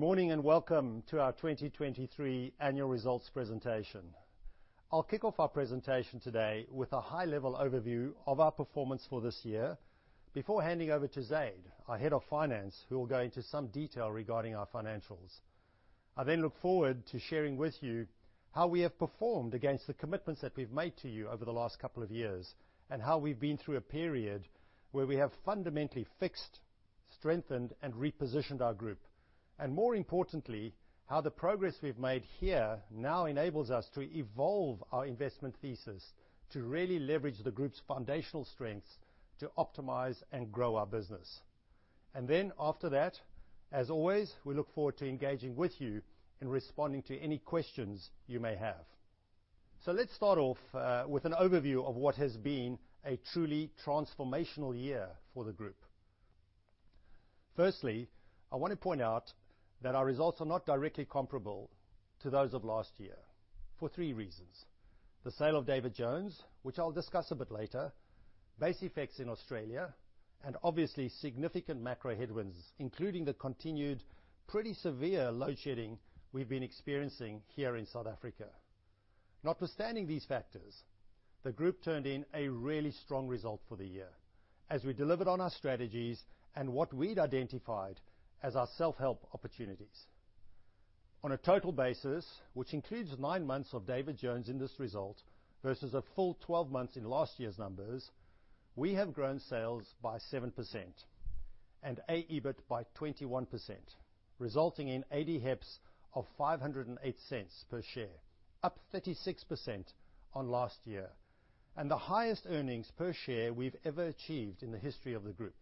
Good morning, and welcome to our 2023 annual results presentation. I'll kick off our presentation today with a high-level overview of our performance for this year before handing over to Zaid, our head of finance, who will go into some detail regarding our financials. I then look forward to sharing with you how we have performed against the commitments that we've made to you over the last couple of years, and how we've been through a period where we have fundamentally fixed, strengthened, and repositioned our group. More importantly, how the progress we've made here now enables us to evolve our investment thesis to really leverage the group's foundational strengths to optimize and grow our business. Then after that, as always, we look forward to engaging with you and responding to any questions you may have. So let's start off with an overview of what has been a truly transformational year for the group. Firstly, I want to point out that our results are not directly comparable to those of last year for three reasons: the sale of David Jones, which I'll discuss a bit later, base effects in Australia, and obviously, significant macro headwinds, including the continued pretty severe load shedding we've been experiencing here in South Africa. Notwithstanding these factors, the group turned in a really strong result for the year, as we delivered on our strategies and what we'd identified as our self-help opportunities. On a total basis, which includes 9 months of David Jones in this result versus a full 12 months in last year's numbers, we have grown sales by 7% and AEBIT by 21%, resulting in ADHEPS of 5.08 per share, up 36% on last year, and the highest earnings per share we've ever achieved in the history of the group.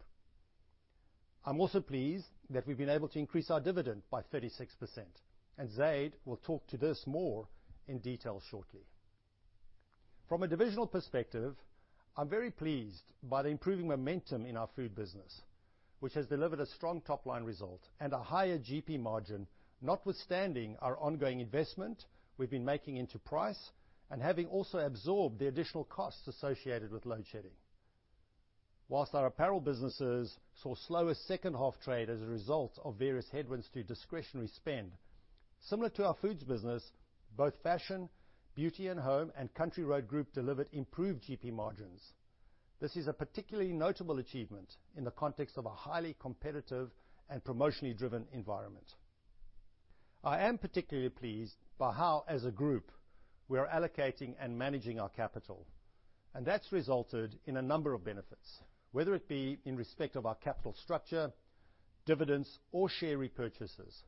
I'm also pleased that we've been able to increase our dividend by 36%, and Zaid will talk to this more in detail shortly. From a divisional perspective, I'm very pleased by the improving momentum in our Food business, which has delivered a strong top-line result and a higher GP margin, notwithstanding our ongoing investment we've been making into price and having also absorbed the additional costs associated with load shedding. While our apparel businesses saw slower second half trade as a result of various headwinds to discretionary spend, similar to our Foods business, both Fashion, Beauty and Home, and Country Road Group delivered improved GP margins. This is a particularly notable achievement in the context of a highly competitive and promotionally driven environment. I am particularly pleased by how, as a group, we are allocating and managing our capital, and that's resulted in a number of benefits, whether it be in respect of our capital structure, dividends, or share repurchases,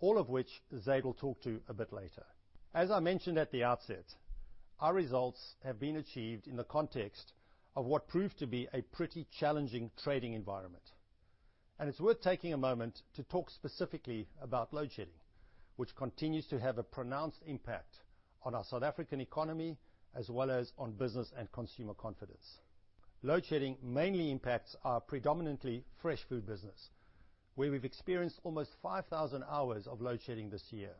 all of which Zaid will talk to a bit later. As I mentioned at the outset, our results have been achieved in the context of what proved to be a pretty challenging trading environment, and it's worth taking a moment to talk specifically about load shedding, which continues to have a pronounced impact on our South African economy, as well as on business and consumer confidence. Load shedding mainly impacts our predominantly fresh food business, where we've experienced almost 5,000 hours of load shedding this year,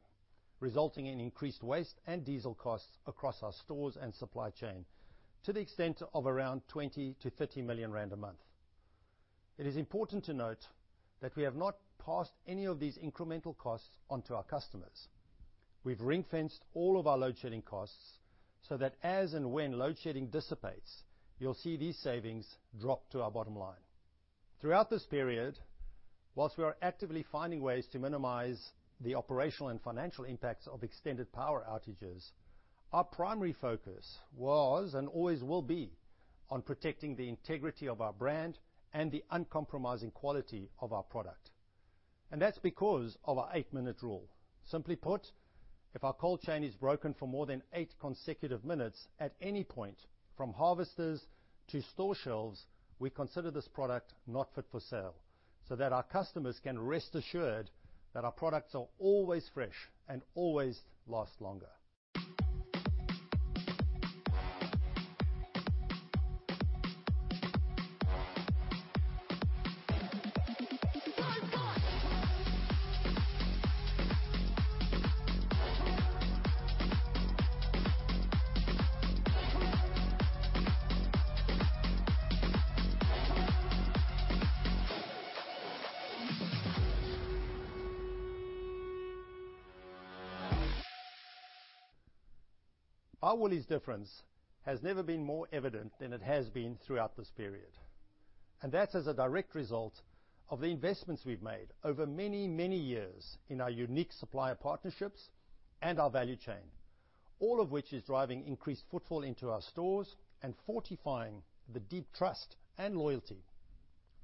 resulting in increased waste and diesel costs across our stores and supply chain to the extent of around 20 million-30 million rand a month. It is important to note that we have not passed any of these incremental costs on to our customers. We've ring-fenced all of our load shedding costs so that as and when load shedding dissipates, you'll see these savings drop to our bottom line. Throughout this period, while we are actively finding ways to minimize the operational and financial impacts of extended power outages, our primary focus was, and always will be, on protecting the integrity of our brand and the uncompromising quality of our product. That's because of our eight-minute rule. Simply put, if our cold chain is broken for more than eight consecutive minutes at any point, from harvesters to store shelves, we consider this product not fit for sale, so that our customers can rest assured that our products are always fresh and always last longer. Our Woolies difference has never been more evident than it has been throughout this period, and that's as a direct result of the investments we've made over many, many years in our unique supplier partnerships and our value chain, all of which is driving increased footfall into our stores and fortifying the deep trust and loyalty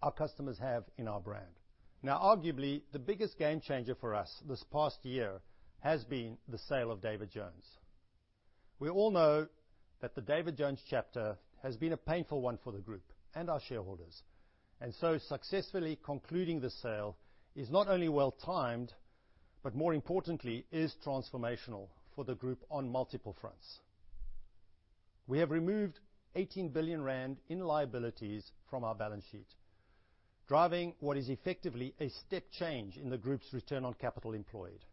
our customers have in our brand. Now, arguably, the biggest game changer for us this past year has been the sale of David Jones. We all know that the David Jones chapter has been a painful one for the group and our shareholders, and so successfully concluding the sale is not only well-timed, but more importantly, is transformational for the group on multiple fronts. We have removed 18 billion rand in liabilities from our balance sheet, driving what is effectively a step change in the group's return on capital employed.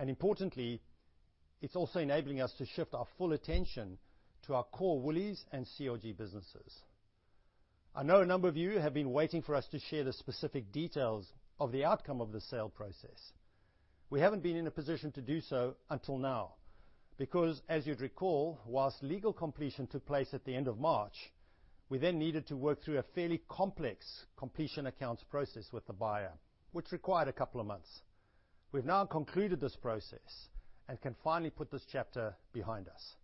Importantly, it's also enabling us to shift our full attention to our core Woolies and CRG businesses. I know a number of you have been waiting for us to share the specific details of the outcome of the sale process. We haven't been in a position to do so until now, because, as you'd recall, whilst legal completion took place at the end of March, we then needed to work through a fairly complex completion accounts process with the buyer, which required a couple of months. We've now concluded this process and can finally put this chapter behind us.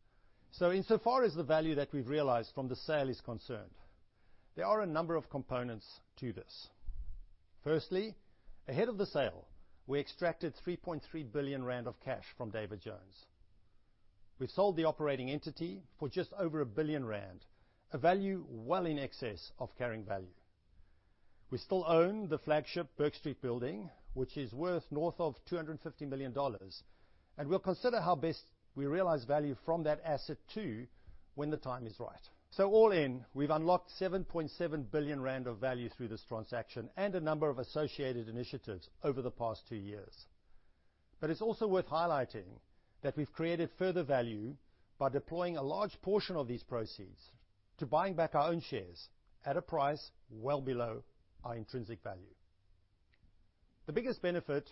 So insofar as the value that we've realized from the sale is concerned, there are a number of components to this. Firstly, ahead of the sale, we extracted 3.3 billion rand of cash from David Jones. We sold the operating entity for just over 1 billion rand, a value well in excess of carrying value. We still own the flagship Bourke Street building, which is worth north of 250 million dollars, and we'll consider how best we realize value from that asset, too, when the time is right. So all in, we've unlocked 7.7 billion rand of value through this transaction and a number of associated initiatives over the past 2 years. But it's also worth highlighting that we've created further value by deploying a large portion of these proceeds to buying back our own shares at a price well below our intrinsic value. The biggest benefit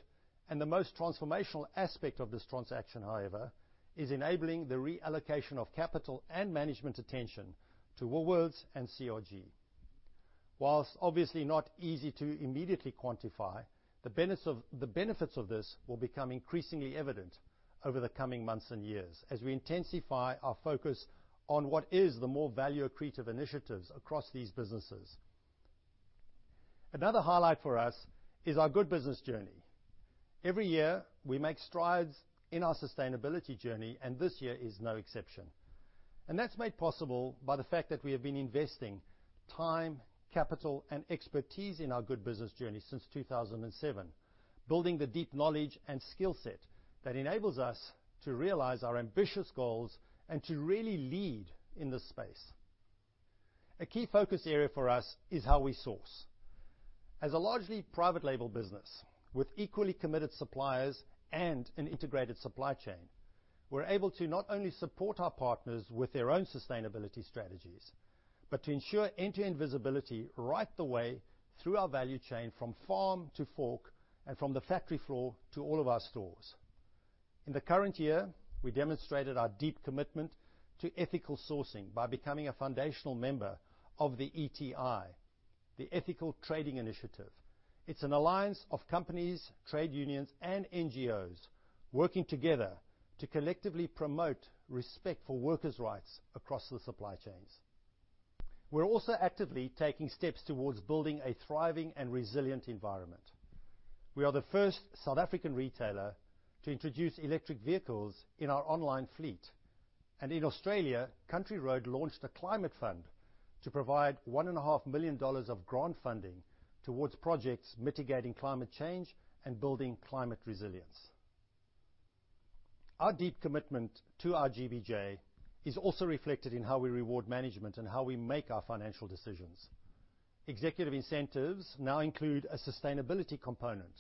and the most transformational aspect of this transaction, however, is enabling the reallocation of capital and management attention to Woolworths and CRG. Whilst obviously not easy to immediately quantify, the benefits of, the benefits of this will become increasingly evident over the coming months and years as we intensify our focus on what is the more value accretive initiatives across these businesses. Another highlight for us is our Good Business Journey. Every year, we make strides in our sustainability journey, and this year is no exception, and that's made possible by the fact that we have been investing time, capital, and expertise in our Good Business Journey since 2007, building the deep knowledge and skill set that enables us to realize our ambitious goals and to really lead in this space. A key focus area for us is how we source. As a largely private label business with equally committed suppliers and an integrated supply chain, we're able to not only support our partners with their own sustainability strategies, but to ensure end-to-end visibility right the way through our value chain, from farm to fork, and from the factory floor to all of our stores. In the current year, we demonstrated our deep commitment to ethical sourcing by becoming a foundational member of the ETI, the Ethical Trading Initiative. It's an alliance of companies, trade unions, and NGOs working together to collectively promote respect for workers' rights across the supply chains. We're also actively taking steps towards building a thriving and resilient environment. We are the first South African retailer to introduce electric vehicles in our online fleet, and in Australia, Country Road launched a climate fund to provide 1.5 million dollars of grant funding towards projects mitigating climate change and building climate resilience. Our deep commitment to our GBJ is also reflected in how we reward management and how we make our financial decisions. Executive incentives now include a sustainability component,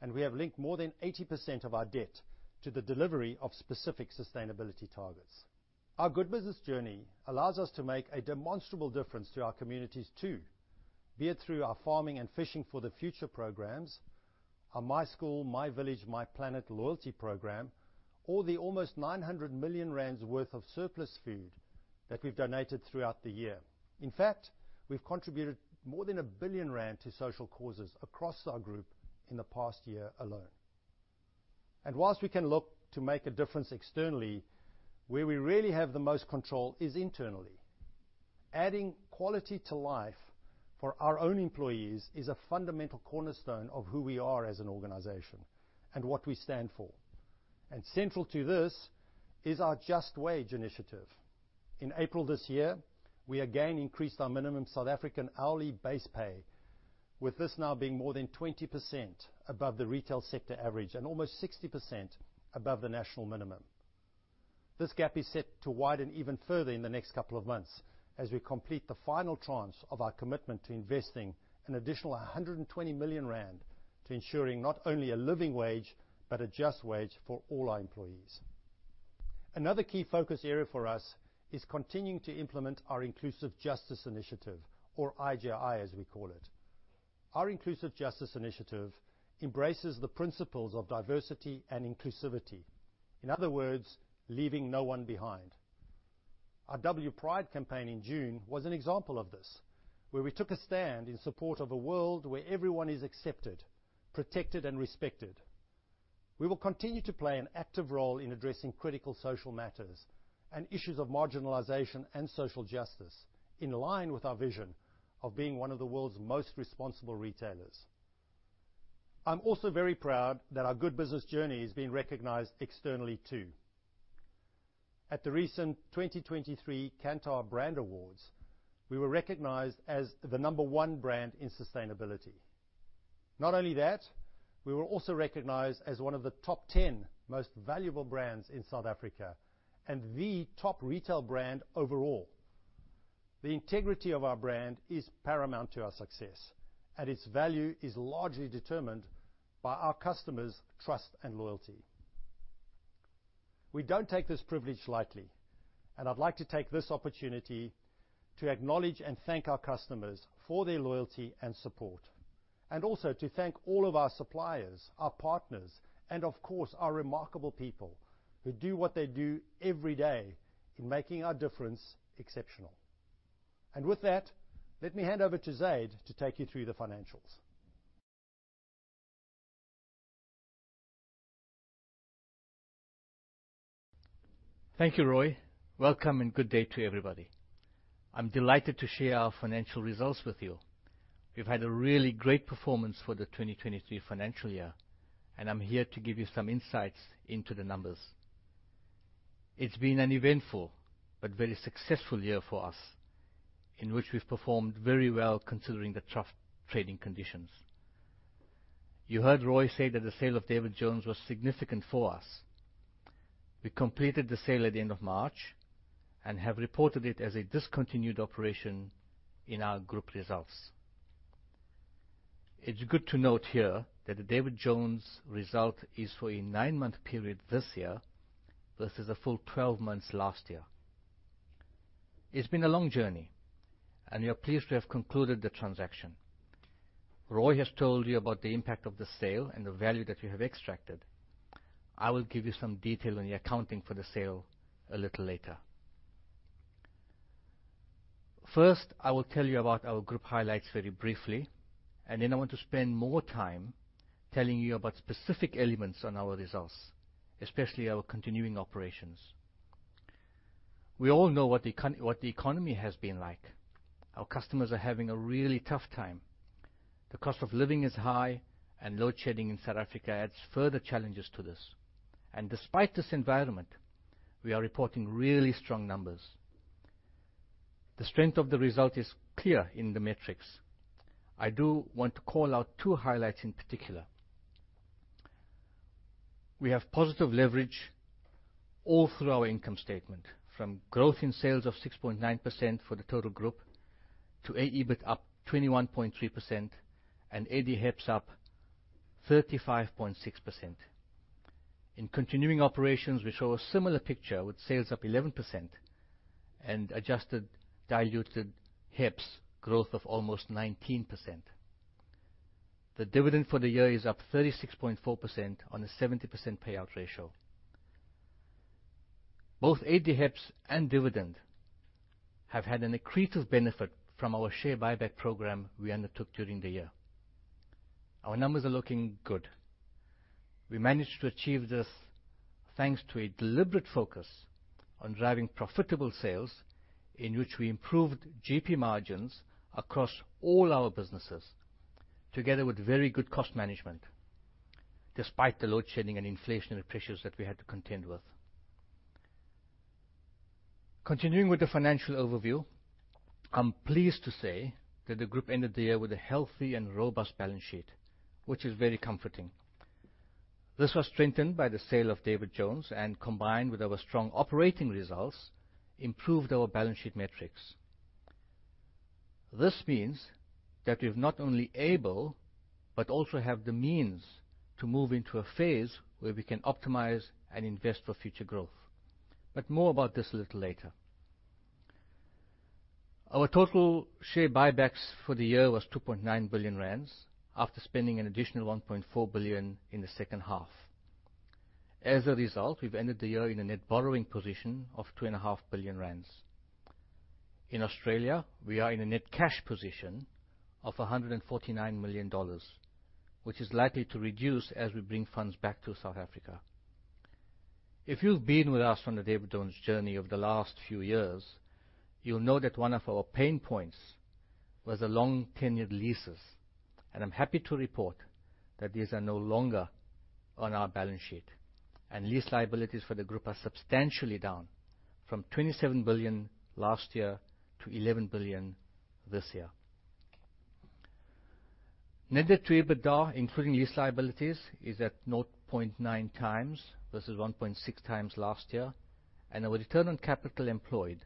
and we have linked more than 80% of our debt to the delivery of specific sustainability targets. Our Good Business Journey allows us to make a demonstrable difference to our communities, too, be it through our Farming and Fishing for the Future programs, our MySchool, MyVillage, MyPlanet loyalty program, or the almost 900 million rand worth of surplus food that we've donated throughout the year. In fact, we've contributed more than 1 billion rand to social causes across our group in the past year alone. While we can look to make a difference externally, where we really have the most control is internally. Adding quality to life for our own employees is a fundamental cornerstone of who we are as an organization and what we stand for. Central to this is our Just Wage initiative. In April this year, we again increased our minimum South African hourly base pay, with this now being more than 20% above the retail sector average and almost 60% above the national minimum. This gap is set to widen even further in the next couple of months as we complete the final tranche of our commitment to investing an additional 120 million rand to ensuring not only a living wage, but a just wage for all our employees. Another key focus area for us is continuing to implement our Inclusive Justice Initiative, or IJI, as we call it. Our Inclusive Justice Initiative embraces the principles of diversity and inclusivity. In other words, leaving no one behind. Our WPride campaign in June was an example of this, where we took a stand in support of a world where everyone is accepted, protected, and respected. We will continue to play an active role in addressing critical social matters and issues of marginalization and social justice, in line with our vision of being one of the world's most responsible retailers. I'm also very proud that our Good Business Journey is being recognized externally, too. At the recent 2023 Kantar Brand Awards, we were recognized as the number one brand in sustainability. Not only that, we were also recognized as one of the top 10 most valuable brands in South Africa and the top retail brand overall. The integrity of our brand is paramount to our success, and its value is largely determined by our customers' trust and loyalty. We don't take this privilege lightly, and I'd like to take this opportunity to acknowledge and thank our customers for their loyalty and support, and also to thank all of our suppliers, our partners, and of course, our remarkable people who do what they do every day in making our difference exceptional. And with that, let me hand over to Zaid to take you through the financials. Thank you, Roy. Welcome and good day to everybody. I'm delighted to share our financial results with you. We've had a really great performance for the 2023 financial year, and I'm here to give you some insights into the numbers. It's been an eventful but very successful year for us, in which we've performed very well considering the tough trading conditions. You heard Roy say that the sale of David Jones was significant for us. We completed the sale at the end of March and have reported it as a discontinued operation in our group results. It's good to note here that the David Jones result is for a 9-month period this year, versus a full 12 months last year. It's been a long journey, and we are pleased to have concluded the transaction. Roy has told you about the impact of the sale and the value that we have extracted. I will give you some detail on the accounting for the sale a little later. First, I will tell you about our group highlights very briefly, and then I want to spend more time telling you about specific elements on our results, especially our continuing operations. We all know what the economy has been like. Our customers are having a really tough time. The cost of living is high, and load shedding in South Africa adds further challenges to this. Despite this environment, we are reporting really strong numbers. The strength of the result is clear in the metrics. I do want to call out two highlights in particular. We have positive leverage all through our income statement, from growth in sales of 6.9% for the total group to AEBIT up 21.3% and ADHEPS up 35.6%. In continuing operations, we show a similar picture with sales up 11% and adjusted diluted HEPS growth of almost 19%. The dividend for the year is up 36.4% on a 70% payout ratio. Both ADHEPS and dividend have had an accretive benefit from our share buyback program we undertook during the year. Our numbers are looking good. We managed to achieve this thanks to a deliberate focus on driving profitable sales, in which we improved GP margins across all our businesses, together with very good cost management, despite the load shedding and inflationary pressures that we had to contend with. Continuing with the financial overview, I'm pleased to say that the group ended the year with a healthy and robust balance sheet, which is very comforting. This was strengthened by the sale of David Jones, and combined with our strong operating results, improved our balance sheet metrics. This means that we're not only able, but also have the means to move into a phase where we can optimize and invest for future growth. But more about this a little later. Our total share buybacks for the year was 2.9 billion rand, after spending an additional 1.4 billion in the second half. As a result, we've ended the year in a net borrowing position of 2.5 billion rand. In Australia, we are in a net cash position of 149 million dollars, which is likely to reduce as we bring funds back to South Africa. If you've been with us on the David Jones journey over the last few years, you'll know that one of our pain points was the long-tenured leases, and I'm happy to report that these are no longer on our balance sheet, and lease liabilities for the group are substantially down from 27 billion last year to 11 billion this year. Net debt to EBITDA, including lease liabilities, is at 0.9 times versus 1.6 times last year, and our return on capital employed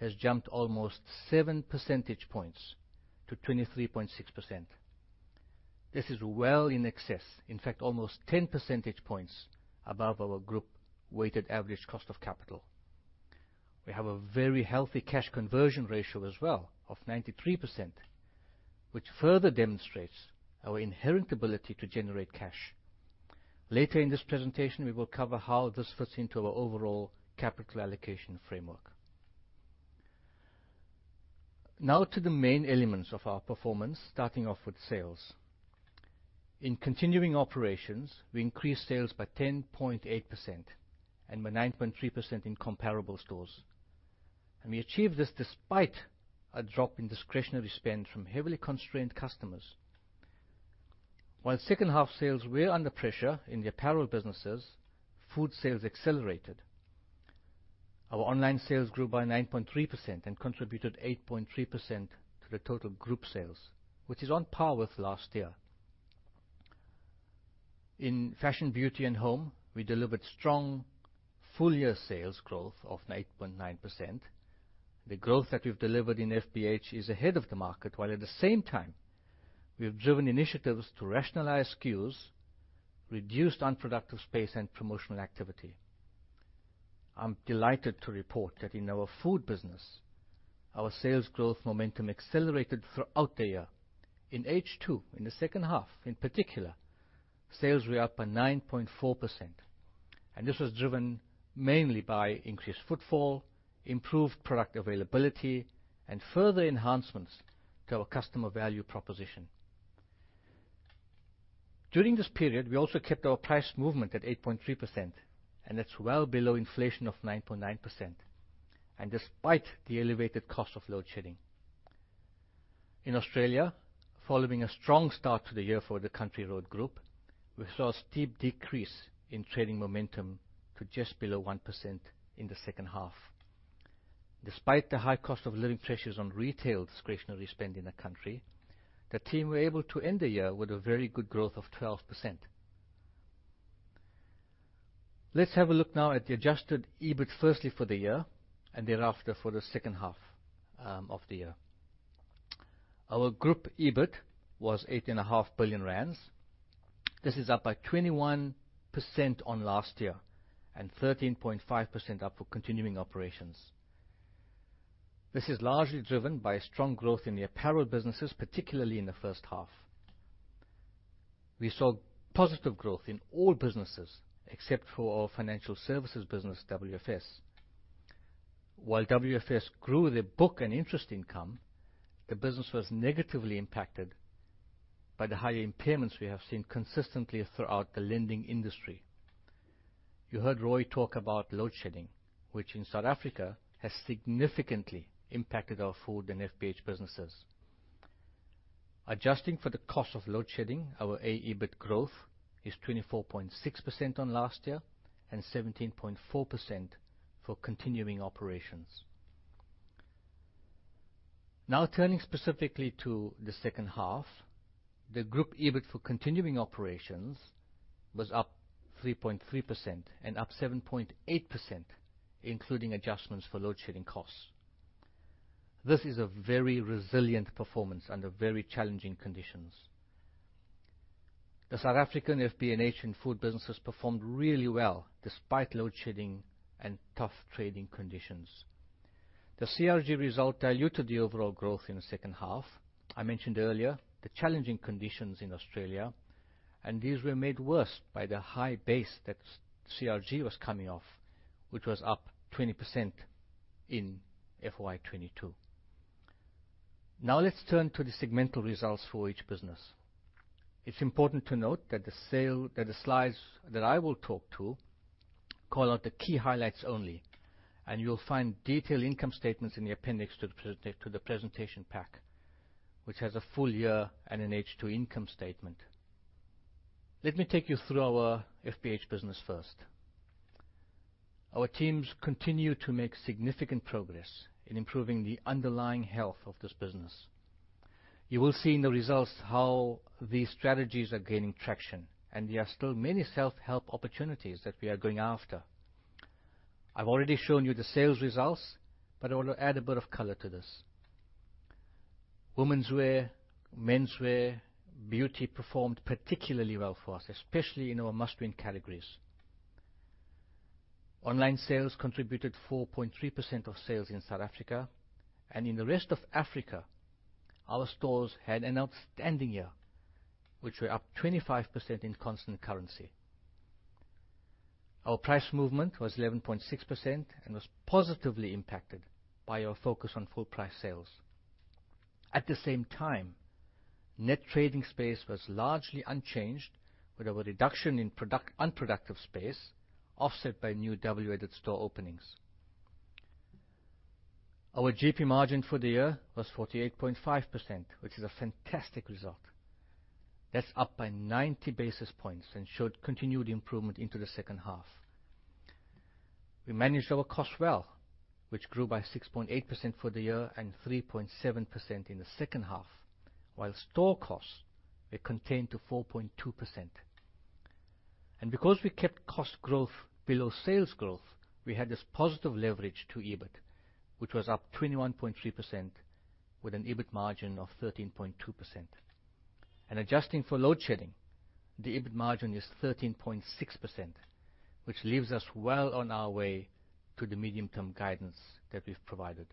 has jumped almost 7 percentage points to 23.6%. This is well in excess, in fact, almost 10 percentage points above our group weighted average cost of capital. We have a very healthy cash conversion ratio as well of 93%, which further demonstrates our inherent ability to generate cash. Later in this presentation, we will cover how this fits into our overall capital allocation framework. Now to the main elements of our performance, starting off with sales. In continuing operations, we increased sales by 10.8% and by 9.3% in comparable stores, and we achieved this despite a drop in discretionary spend from heavily constrained customers. While second half sales were under pressure in the apparel businesses, food sales accelerated. Our online sales grew by 9.3% and contributed 8.3% - the total group sales, which is on par with last year. In Fashion, Beauty and Home, we delivered strong full-year sales growth of 8.9%. The growth that we've delivered in FBH is ahead of the market, while at the same time we have driven initiatives to rationalize SKUs, reduced unproductive space and promotional activity. I'm delighted to report that in our food business, our sales growth momentum accelerated throughout the year. In H2, in the second half, in particular, sales were up by 9.4%, and this was driven mainly by increased footfall, improved product availability, and further enhancements to our customer value proposition. During this period, we also kept our price movement at 8.3%, and that's well below inflation of 9.9%, and despite the elevated cost of load shedding. In Australia, following a strong start to the year for the Country Road Group, we saw a steep decrease in trading momentum to just below 1% in the second half. Despite the high cost of living pressures on retail discretionary spend in the country, the team were able to end the year with a very good growth of 12%. Let's have a look now at the adjusted EBIT firstly for the year, and thereafter for the second half of the year. Our group EBIT was 8.5 billion rand. This is up by 21% on last year and 13.5% up for continuing operations. This is largely driven by strong growth in the apparel businesses, particularly in the first half. We saw positive growth in all businesses, except for our financial services business, WFS. While WFS grew the book and interest income, the business was negatively impacted by the higher impairments we have seen consistently throughout the lending industry. You heard Roy talk about load shedding, which in South Africa, has significantly impacted our food and FBH businesses. Adjusting for the cost of load shedding, our AEBIT growth is 24.6% on last year and 17.4% for continuing operations. Now, turning specifically to the second half, the group EBIT for continuing operations was up 3.3% and up 7.8%, including adjustments for load shedding costs. This is a very resilient performance under very challenging conditions. The South African FBH and food businesses performed really well despite load shedding and tough trading conditions. The CRG result diluted the overall growth in the second half. I mentioned earlier, the challenging conditions in Australia, and these were made worse by the high base that CRG was coming off, which was up 20% in FY 2022. Now, let's turn to the segmental results for each business. It's important to note that the slides that I will talk to call out the key highlights only, and you'll find detailed income statements in the appendix to the presentation pack, which has a full year and an H2 income statement. Let me take you through our FBH business first. Our teams continue to make significant progress in improving the underlying health of this business. You will see in the results how these strategies are gaining traction, and there are still many self-help opportunities that we are going after. I've already shown you the sales results, but I want to add a bit of color to this. Womenswear, menswear, beauty performed particularly well for us, especially in our must-win categories. Online sales contributed 4.3% of sales in South Africa, and in the rest of Africa, our stores had an outstanding year, which were up 25% in constant currency. Our price movement was 11.6% and was positively impacted by our focus on full price sales. At the same time, net trading space was largely unchanged, with a reduction in unproductive space offset by new WEdit store openings. Our GP margin for the year was 48.5%, which is a fantastic result. That's up by 90 basis points and showed continued improvement into the second half. We managed our costs well, which grew by 6.8% for the year and 3.7% in the second half, while store costs were contained to 4.2%. And because we kept cost growth below sales growth, we had this positive leverage to EBIT, which was up 21.3% with an EBIT margin of 13.2%. And adjusting for load shedding, the EBIT margin is 13.6%, which leaves us well on our way to the medium-term guidance that we've provided.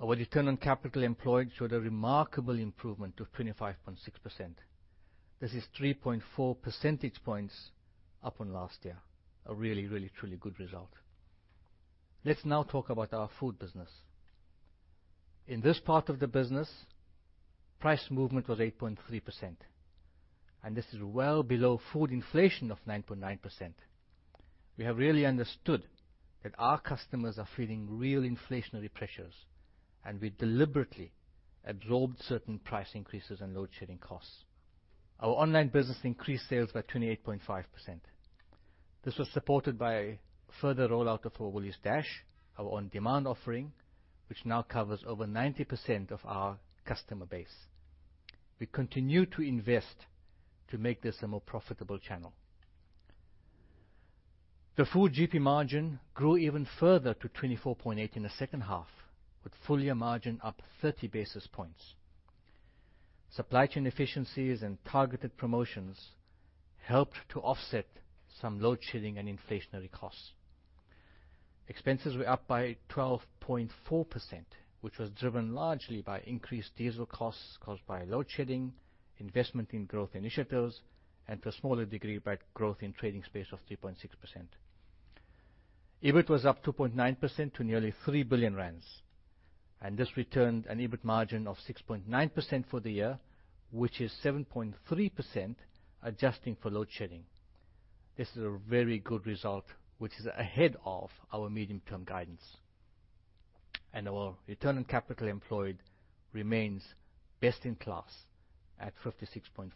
Our return on capital employed showed a remarkable improvement of 25.6%. This is 3.4 percentage points up on last year. A really, really, truly good result. Let's now talk about our food business. In this part of the business, price movement was 8.3%, and this is well below food inflation of 9.9%. We have really understood that our customers are feeling real inflationary pressures, and we deliberately absorbed certain price increases and load shedding costs. Our online business increased sales by 28.5%. This was supported by further rollout of our Woolies Dash, our on-demand offering, which now covers over 90% of our customer base. We continue to invest to make this a more profitable channel. The full GP margin grew even further to 24.8 in the second half, with full-year margin up 30 basis points. Supply chain efficiencies and targeted promotions helped to offset some load shedding and inflationary costs. Expenses were up by 12.4%, which was driven largely by increased diesel costs caused by load shedding, investment in growth initiatives, and to a smaller degree, by growth in trading space of 3.6%. EBIT was up 2.9% - nearly 3 billion rand, and this returned an EBIT margin of 6.9% for the year, which is 7.3% adjusting for load shedding. This is a very good result, which is ahead of our medium-term guidance, and our return on capital employed remains best in class at 56.4%.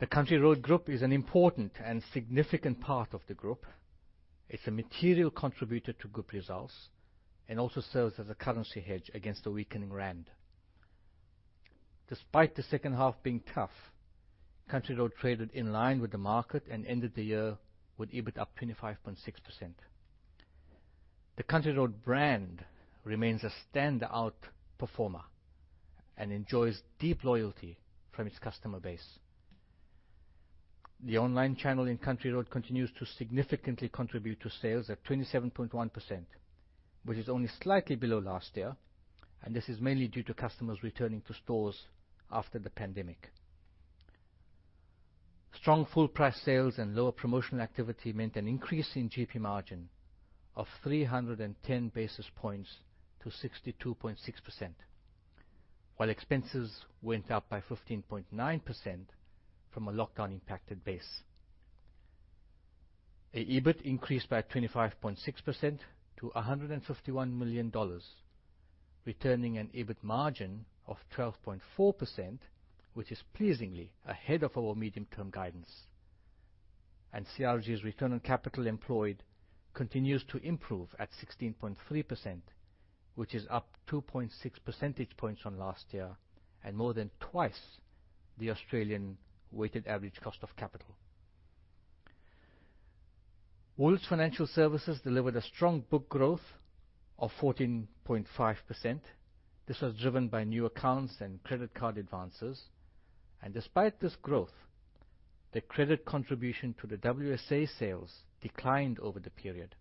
The Country Road Group is an important and significant part of the group. It's a material contributor to good results and also serves as a currency hedge against the weakening rand. Despite the second half being tough, Country Road traded in line with the market and ended the year with EBIT up 25.6%. The Country Road brand remains a standout performer and enjoys deep loyalty from its customer base. The online channel in Country Road continues to significantly contribute to sales at 27.1%, which is only slightly below last year, and this is mainly due to customers returning to stores after the pandemic. Strong full price sales and lower promotional activity meant an increase in GP margin of 310 basis points to 62.6%, while expenses went up by 15.9% from a lockdown-impacted base. The EBIT increased by 25.6% - 151 million dollars, returning an EBIT margin of 12.4%, which is pleasingly ahead of our medium-term guidance. CRG's return on capital employed continues to improve at 16.3%, which is up 2.6 percentage points from last year and more than twice the Australian weighted average cost of capital. Woolworths Financial Services delivered a strong book growth of 14.5%. This was driven by new accounts and credit card advances, and despite this growth, the credit contribution to the WSA sales declined over the period.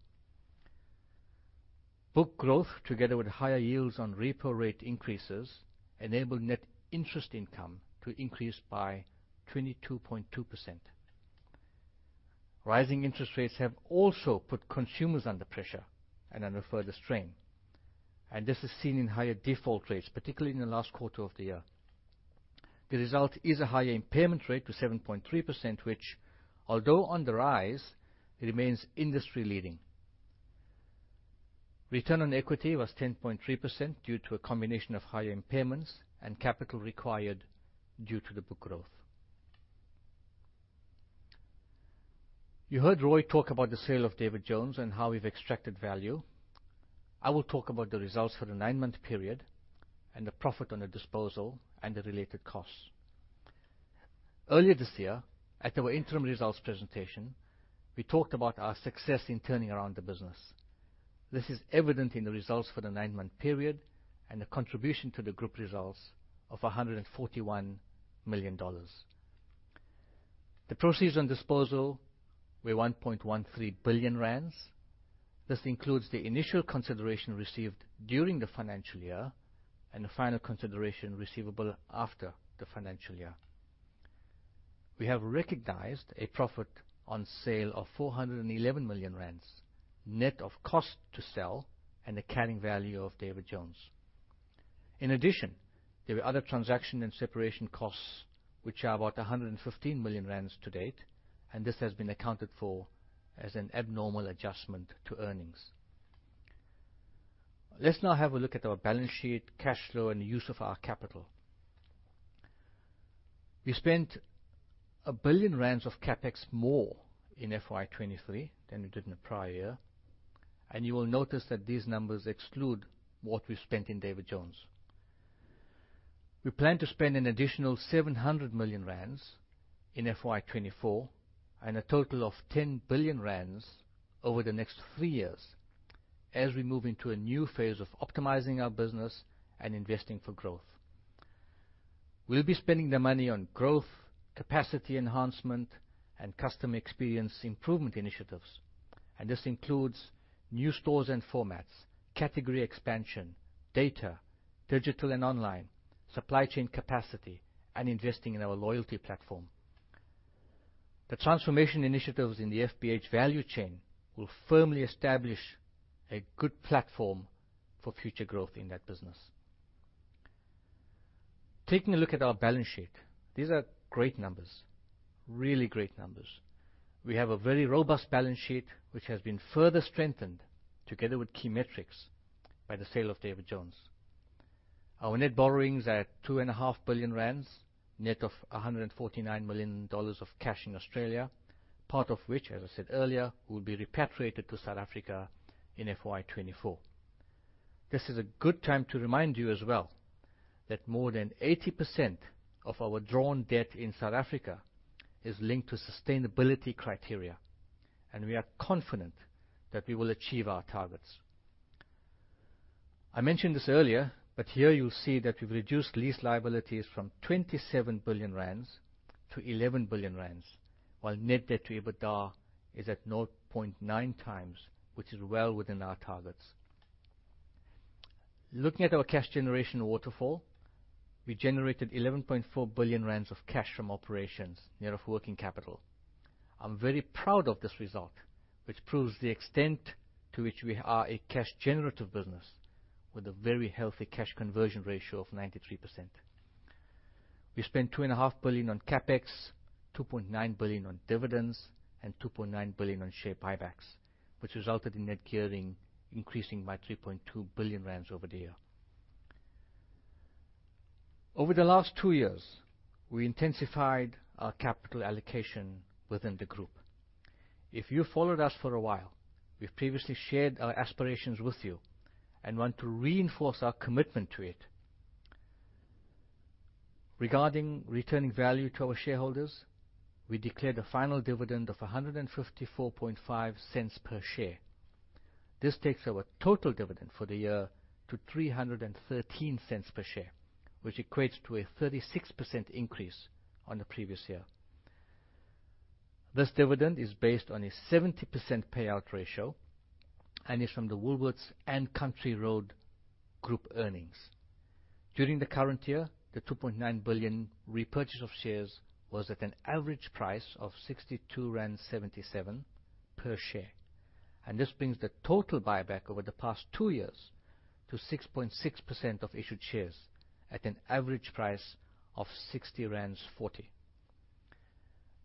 Book growth, together with higher yields on repo rate increases, enabled net interest income to increase by 22.2%. Rising interest rates have also put consumers under pressure and under further strain, and this is seen in higher default rates, particularly in the last quarter of the year. The result is a higher impairment rate to 7.3%, which, although on the rise, remains industry-leading. Return on equity was 10.3% due to a combination of higher impairments and capital required due to the book growth. You heard Roy talk about the sale of David Jones and how we've extracted value. I will talk about the results for the nine-month period and the profit on the disposal and the related costs. Earlier this year, at our interim results presentation, we talked about our success in turning around the business. This is evident in the results for the nine-month period and the contribution to the group results of 141 million dollars. The proceeds on disposal were 1.13 billion rand. This includes the initial consideration received during the financial year and the final consideration receivable after the financial year. We have recognized a profit on sale of 411 million rand, net of cost to sell and accounting value of David Jones. In addition, there were other transaction and separation costs, which are about 115 million rand to date, and this has been accounted for as an abnormal adjustment to earnings. Let's now have a look at our balance sheet, cash flow, and use of our capital. We spent 1 billion rand of CapEx more in FY 2023 than we did in the prior year, and you will notice that these numbers exclude what we spent in David Jones. We plan to spend an additional 700 million rand in FY 2024 and a total of 10 billion rand over the next three years as we move into a new phase of optimizing our business and investing for growth. We'll be spending the money on growth, capacity enhancement, and customer experience improvement initiatives. And this includes new stores and formats, category expansion, data, digital and online, supply chain capacity, and investing in our loyalty platform. The transformation initiatives in the FBH value chain will firmly establish a good platform for future growth in that business. Taking a look at our balance sheet, these are great numbers, really great numbers. We have a very robust balance sheet, which has been further strengthened, together with key metrics, by the sale of David Jones. Our net borrowings are 2.5 billion rand, net of 149 million dollars of cash in Australia, part of which, as I said earlier, will be repatriated to South Africa in FY 2024.... This is a good time to remind you as well, that more than 80% of our drawn debt in South Africa is linked to sustainability criteria, and we are confident that we will achieve our targets. I mentioned this earlier, but here you'll see that we've reduced lease liabilities from 27 billion rand to 11 billion rand, while net debt to EBITDA is at 0.9 times, which is well within our targets. Looking at our cash generation waterfall, we generated 11.4 billion rand of cash from operations, net of working capital. I'm very proud of this result, which proves the extent to which we are a cash-generative business with a very healthy cash conversion ratio of 93%. We spent 2.5 billion on CapEx, 2.9 billion on dividends, and 2.9 billion on share buybacks, which resulted in net gearing increasing by 3.2 billion rand over the year. Over the last two years, we intensified our capital allocation within the group. If you followed us for a while, we've previously shared our aspirations with you and want to reinforce our commitment to it. Regarding returning value to our shareholders, we declared a final dividend of 1.545 per share. This takes our total dividend for the year to 3.13 per share, which equates to a 36% increase on the previous year. This dividend is based on a 70% payout ratio and is from the Woolworths and Country Road Group earnings. During the current year, the 2.9 billion repurchase of shares was at an average price of 62.77 per share, and this brings the total buyback over the past two years to 6.6% of issued shares at an average price of 60.40 rand.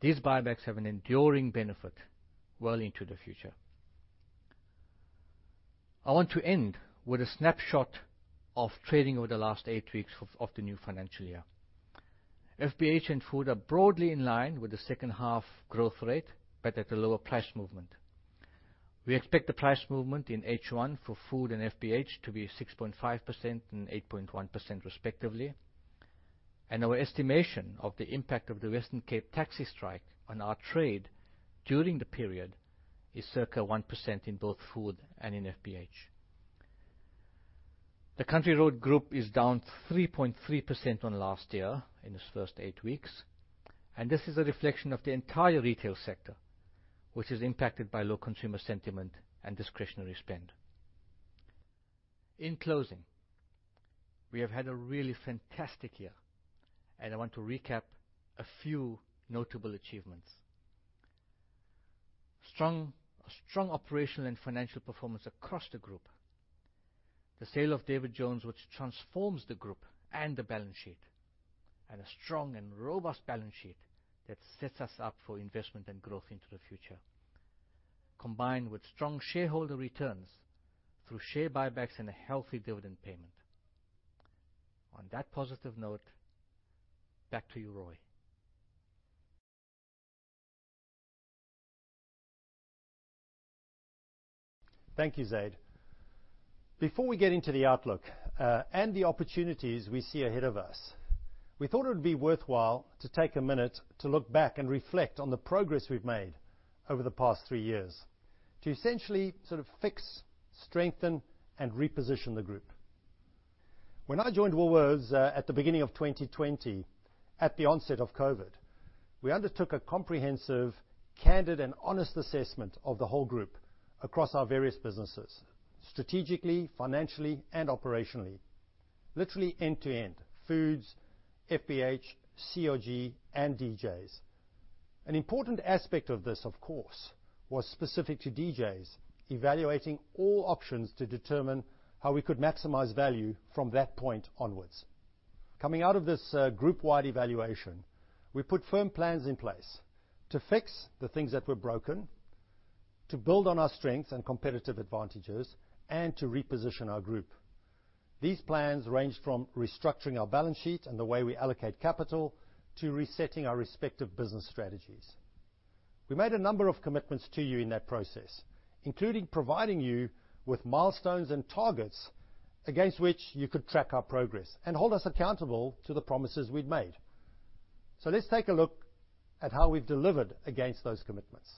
These buybacks have an enduring benefit well into the future. I want to end with a snapshot of trading over the last 8 weeks of the new financial year. FBH and Food are broadly in line with the second half growth rate, but at a lower price movement. We expect the price movement in H1 for Food and FBH to be 6.5% and 8.1%, respectively. Our estimation of the impact of the Western Cape taxi strike on our trade during the period is circa 1% in both Food and in FBH. The Country Road Group is down 3.3% on last year in its first 8 weeks, and this is a reflection of the entire retail sector, which is impacted by low consumer sentiment and discretionary spend. In closing, we have had a really fantastic year, and I want to recap a few notable achievements. Strong, strong operational and financial performance across the group. The sale of David Jones, which transforms the group and the balance sheet. A strong and robust balance sheet that sets us up for investment and growth into the future, combined with strong shareholder returns through share buybacks and a healthy dividend payment. On that positive note, back to you, Roy. Thank you, Zaid. Before we get into the outlook, and the opportunities we see ahead of us, we thought it would be worthwhile to take a minute to look back and reflect on the progress we've made over the past three years to essentially sort of fix, strengthen, and reposition the group. When I joined Woolworths, at the beginning of 2020, at the onset of COVID, we undertook a comprehensive, candid, and honest assessment of the whole group across our various businesses, strategically, financially, and operationally, literally end-to-end, Foods, FBH, CRG, and DJs. An important aspect of this, of course, was specific to DJs, evaluating all options to determine how we could maximize value from that point onwards. Coming out of this, group-wide evaluation, we put firm plans in place to fix the things that were broken, to build on our strengths and competitive advantages, and to reposition our group. These plans ranged from restructuring our balance sheet and the way we allocate capital to resetting our respective business strategies. We made a number of commitments to you in that process, including providing you with milestones and targets against which you could track our progress and hold us accountable to the promises we'd made. So let's take a look at how we've delivered against those commitments.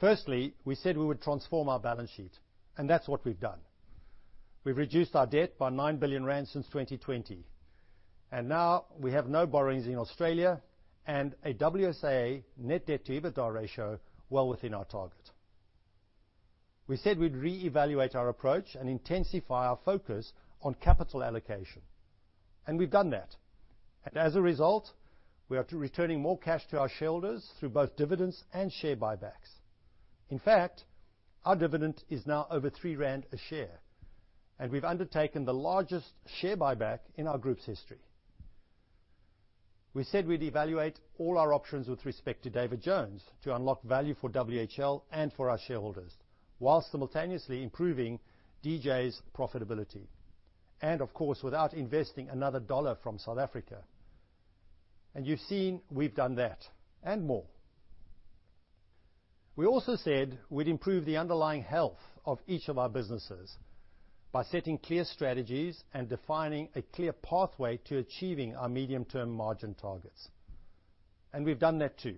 Firstly, we said we would transform our balance sheet, and that's what we've done. We've reduced our debt by 9 billion rand since 2020, and now we have no borrowings in Australia and a WSA net debt to EBITDA ratio well within our target. We said we'd reevaluate our approach and intensify our focus on capital allocation, and we've done that. And as a result, we are returning more cash to our shareholders through both dividends and share buybacks. In fact, our dividend is now over 3 rand a share, and we've undertaken the largest share buyback in our group's history. We said we'd evaluate all our options with respect to David Jones to unlock value for WHL and for our shareholders, while simultaneously improving DJ's profitability, and of course, without investing another rand from South Africa. And you've seen we've done that, and more... We also said we'd improve the underlying health of each of our businesses by setting clear strategies and defining a clear pathway to achieving our medium-term margin targets, and we've done that, too.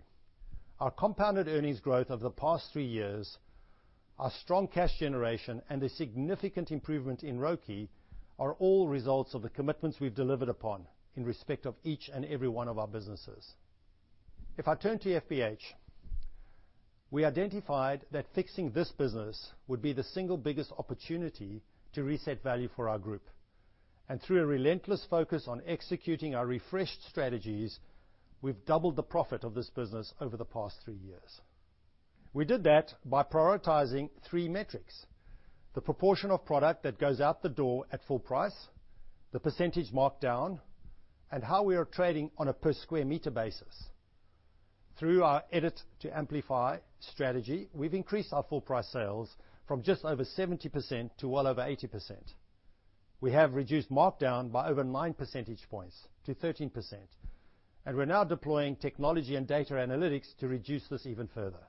Our compounded earnings growth over the past three years, our strong cash generation, and the significant improvement in ROCE, are all results of the commitments we've delivered upon in respect of each and every one of our businesses. If I turn to FBH, we identified that fixing this business would be the single biggest opportunity to reset value for our group, and through a relentless focus on executing our refreshed strategies, we've doubled the profit of this business over the past three years. We did that by prioritizing three metrics: the proportion of product that goes out the door at full price, the percentage marked down, and how we are trading on a per-square-meter basis. Through our Edit to Amplify strategy, we've increased our full price sales from just over 70% - well over 80%. We have reduced markdown by over 9 percentage points to 13%, and we're now deploying technology and data analytics to reduce this even further.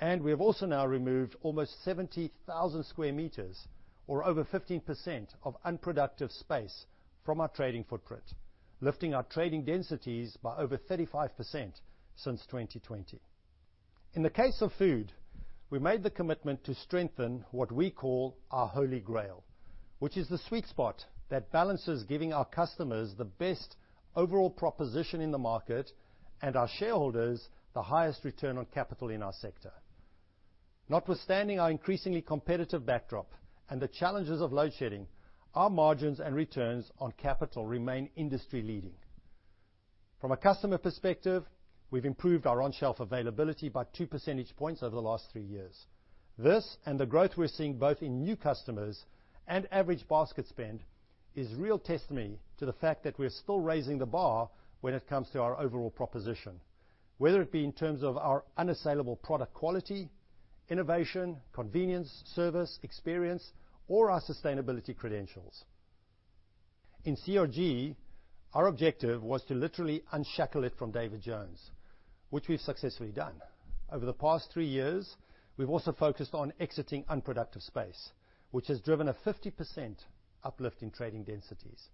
We have also now removed almost 70,000 square meters, or over 15% of unproductive space from our trading footprint, lifting our trading densities by over 35% since 2020. In the case of food, we made the commitment to strengthen what we call our Holy Grail, which is the sweet spot that balances giving our customers the best overall proposition in the market, and our shareholders the highest return on capital in our sector. Notwithstanding our increasingly competitive backdrop and the challenges of load shedding, our margins and returns on capital remain industry-leading. From a customer perspective, we've improved our on-shelf availability by 2 percentage points over the last three years. This, and the growth we're seeing both in new customers and average basket spend, is real testimony to the fact that we're still raising the bar when it comes to our overall proposition, whether it be in terms of our unassailable product quality, innovation, convenience, service, experience, or our sustainability credentials. In CRG, our objective was to literally unshackle it from David Jones, which we've successfully done. Over the past three years, we've also focused on exiting unproductive space, which has driven a 50% uplift in trading densities.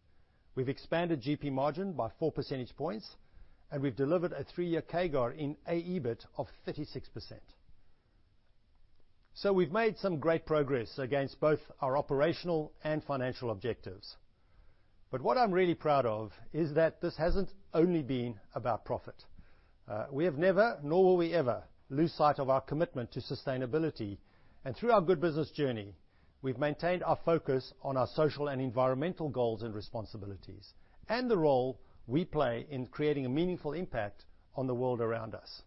We've expanded GP margin by four percentage points, and we've delivered a three-year CAGR in AEBIT of 36%. So we've made some great progress against both our operational and financial objectives, but what I'm really proud of is that this hasn't only been about profit. We have never, nor will we ever, lose sight of our commitment to sustainability, and through our Good Business Journey, we've maintained our focus on our social and environmental goals and responsibilities, and the role we play in creating a meaningful impact on the world around us.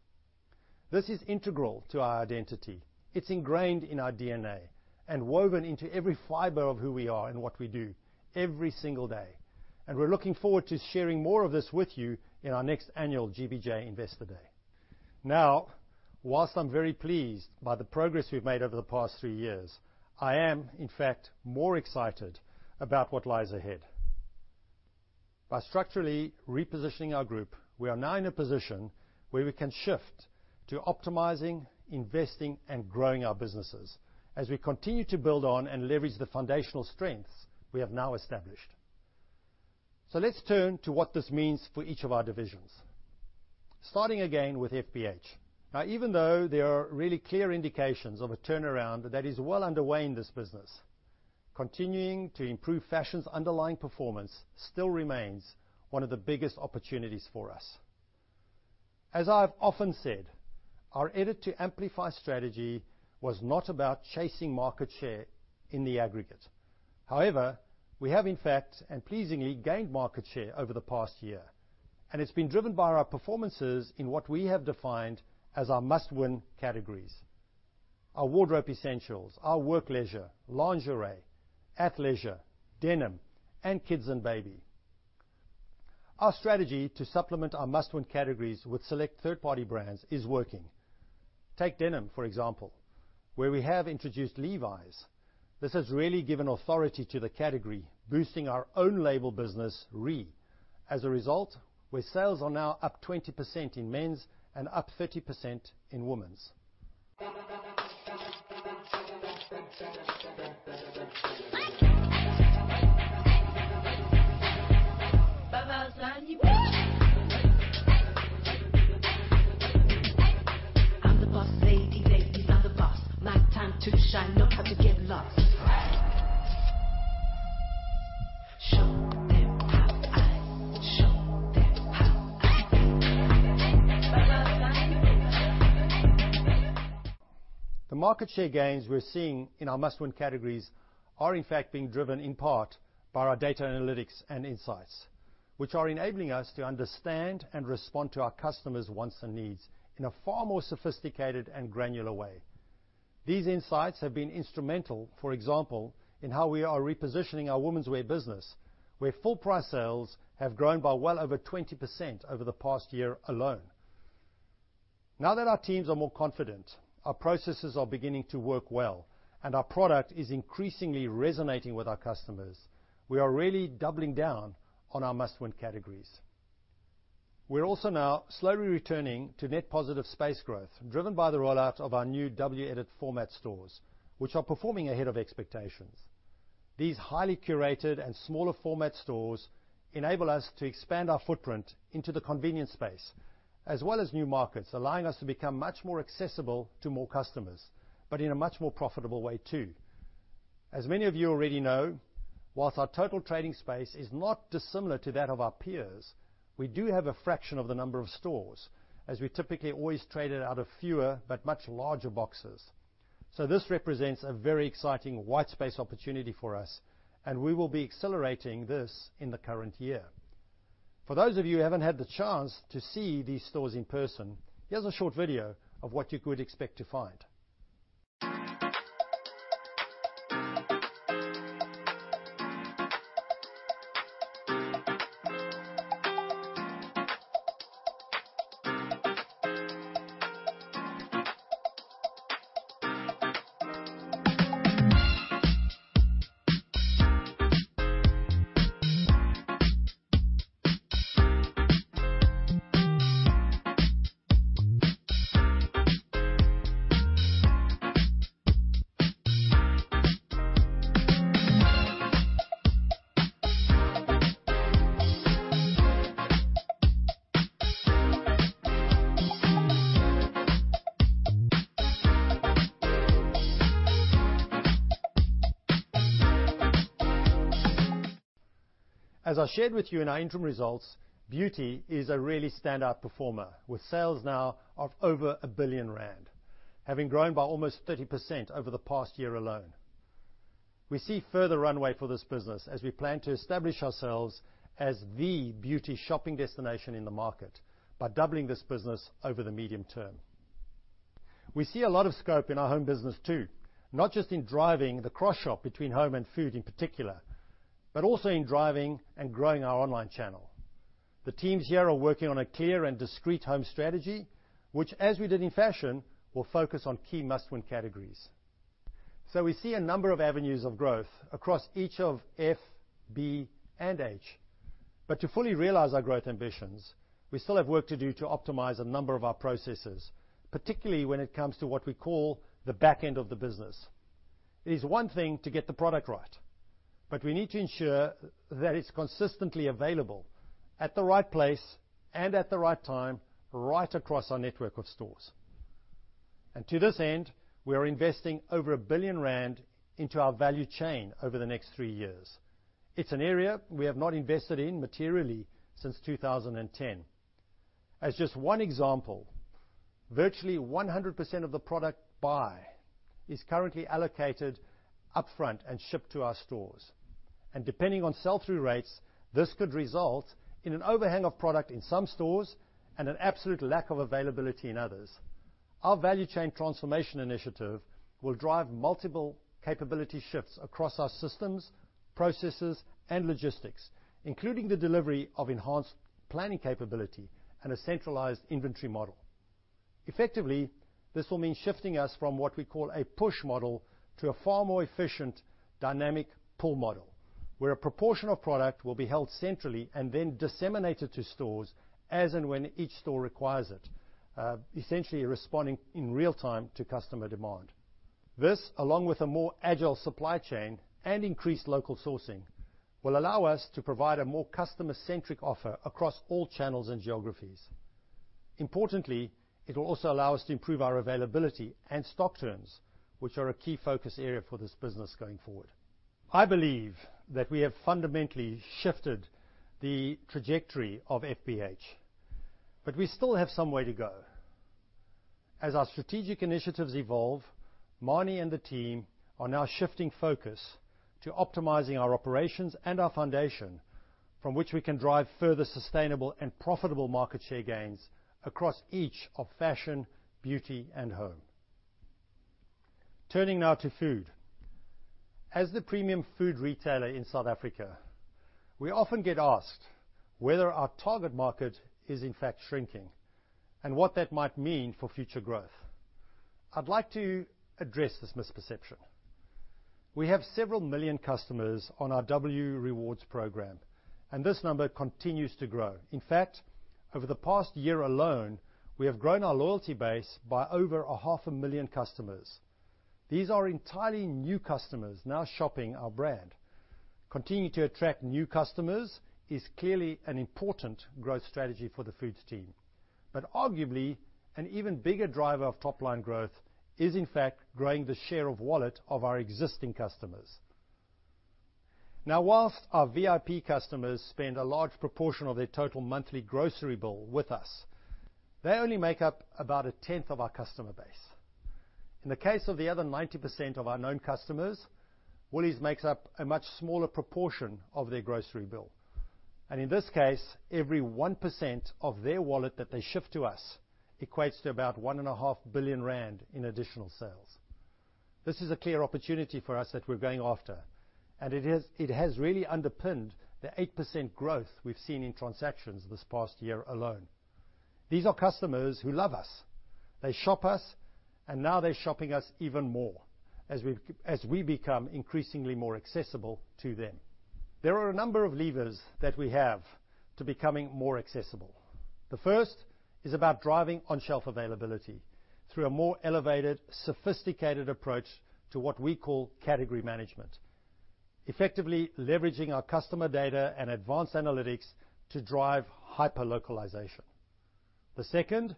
This is integral to our identity. It's ingrained in our DNA and woven into every fiber of who we are and what we do every single day, and we're looking forward to sharing more of this with you in our next annual GBJ Investor Day. Now, whilst I'm very pleased by the progress we've made over the past three years, I am, in fact, more excited about what lies ahead. By structurally repositioning our group, we are now in a position where we can shift to optimizing, investing, and growing our businesses as we continue to build on and leverage the foundational strengths we have now established. So let's turn to what this means for each of our divisions, starting again with FBH. Now, even though there are really clear indications of a turnaround that is well underway in this business, continuing to improve fashion's underlying performance still remains one of the biggest opportunities for us. As I've often said, our Edit to Amplify strategy was not about chasing market share in the aggregate. However, we have, in fact, and pleasingly, gained market share over the past year, and it's been driven by our performances in what we have defined as our must-win categories: our wardrobe essentials, our workleisure, lingerie, athleisure, denim, and kids and baby. Our strategy to supplement our must-win categories with select third-party brands is working. Take denim, for example, where we have introduced Levi's. This has really given authority to the category, boosting our own label business, Re. As a result, where sales are now up 20% in men's and up 30% in women's. The market share gains we're seeing in our must-win categories are, in fact, being driven in part by our data analytics and insights, which are enabling us to understand and respond to our customers' wants and needs in a far more sophisticated and granular way. These insights have been instrumental, for example, in how we are repositioning our womenswear business, where full price sales have grown by well over 20% over the past year alone. Now that our teams are more confident, our processes are beginning to work well, and our product is increasingly resonating with our customers, we are really doubling down on our must-win categories.... We're also now slowly returning to net positive space growth, driven by the rollout of our new WEdit format stores, which are performing ahead of expectations. These highly curated and smaller format stores enable us to expand our footprint into the convenience space, as well as new markets, allowing us to become much more accessible to more customers, but in a much more profitable way, too. As many of you already know, whilst our total trading space is not dissimilar to that of our peers, we do have a fraction of the number of stores, as we typically always traded out of fewer but much larger boxes. So this represents a very exciting white space opportunity for us, and we will be accelerating this in the current year. For those of you who haven't had the chance to see these stores in person, here's a short video of what you could expect to find. As I shared with you in our interim results, beauty is a really standout performer, with sales now of over 1 billion rand, having grown by almost 30% over the past year alone. We see further runway for this business as we plan to establish ourselves as the beauty shopping destination in the market by doubling this business over the medium term. We see a lot of scope in our home business, too, not just in driving the cross-shop between home and food in particular, but also in driving and growing our online channel. The teams here are working on a clear and discrete home strategy, which, as we did in fashion, will focus on key must-win categories. So we see a number of avenues of growth across each of F, B, and H. But to fully realize our growth ambitions, we still have work to do to optimize a number of our processes, particularly when it comes to what we call the back end of the business. It is one thing to get the product right, but we need to ensure that it's consistently available at the right place and at the right time, right across our network of stores. And to this end, we are investing over 1 billion rand into our value chain over the next three years. It's an area we have not invested in materially since 2010. As just one example, virtually 100% of the product buy is currently allocated upfront and shipped to our stores, and depending on sell-through rates, this could result in an overhang of product in some stores and an absolute lack of availability in others. Our value chain transformation initiative will drive multiple capability shifts across our systems, processes, and logistics, including the delivery of enhanced planning capability and a centralized inventory model. Effectively, this will mean shifting us from what we call a push model to a far more efficient dynamic pull model, where a proportion of product will be held centrally and then disseminated to stores as and when each store requires it, essentially responding in real time to customer demand. This, along with a more agile supply chain and increased local sourcing, will allow us to provide a more customer-centric offer across all channels and geographies. Importantly, it will also allow us to improve our availability and stock turns, which are a key focus area for this business going forward. I believe that we have fundamentally shifted the trajectory of FBH, but we still have some way to go. As our strategic initiatives evolve, Manie and the team are now shifting focus to optimizing our operations and our foundation, from which we can drive further sustainable and profitable market share gains across each of fashion, beauty, and home. Turning now to food. As the premium food retailer in South Africa, we often get asked whether our target market is, in fact, shrinking, and what that might mean for future growth. I'd like to address this misperception. We have several million customers on our W Rewards program, and this number continues to grow. In fact, over the past year alone, we have grown our loyalty base by over 500,000 customers. These are entirely new customers now shopping our brand. Continuing to attract new customers is clearly an important growth strategy for the foods team, but arguably, an even bigger driver of top-line growth is, in fact, growing the share of wallet of our existing customers. Now, whilst our VIP customers spend a large proportion of their total monthly grocery bill with us, they only make up about a tenth of our customer base. In the case of the other 90% of our known customers, Woolies makes up a much smaller proportion of their grocery bill, and in this case, every 1% of their wallet that they shift to us equates to about 1.5 billion rand in additional sales. This is a clear opportunity for us that we're going after, and it has, it has really underpinned the 8% growth we've seen in transactions this past year alone. These are customers who love us. They shop us, and now they're shopping us even more as we, as we become increasingly more accessible to them. There are a number of levers that we have to becoming more accessible. The first is about driving on-shelf availability through a more elevated, sophisticated approach to what we call category management, effectively leveraging our customer data and advanced analytics to drive hyper-localization. The second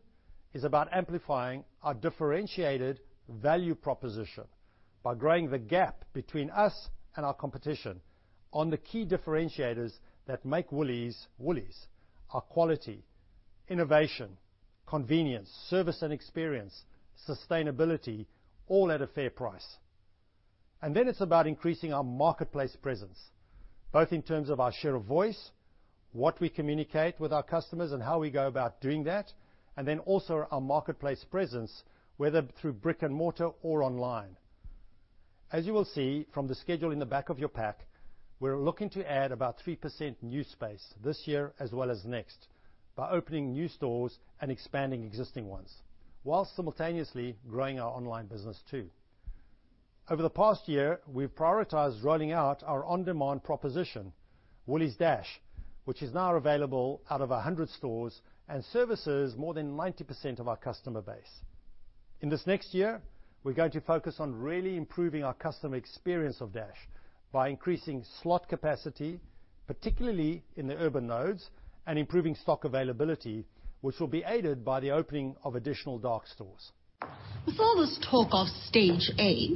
is about amplifying our differentiated value proposition by growing the gap between us and our competition on the key differentiators that make Woolies Woolies: our quality, innovation, convenience, service and experience, sustainability, all at a fair price. Then it's about increasing our marketplace presence, both in terms of our share of voice, what we communicate with our customers, and how we go about doing that, and then also our marketplace presence, whether through brick and mortar or online. As you will see from the schedule in the back of your pack, we're looking to add about 3% new space this year as well as next by opening new stores and expanding existing ones, while simultaneously growing our online business, too. Over the past year, we've prioritized rolling out our on-demand proposition, Woolies Dash, which is now available out of 100 stores and services more than 90% of our customer base. In this next year, we're going to focus on really improving our customer experience of Dash by increasing slot capacity, particularly in the urban nodes, and improving stock availability, which will be aided by the opening of additional dark stores. With all this talk of Stage 8,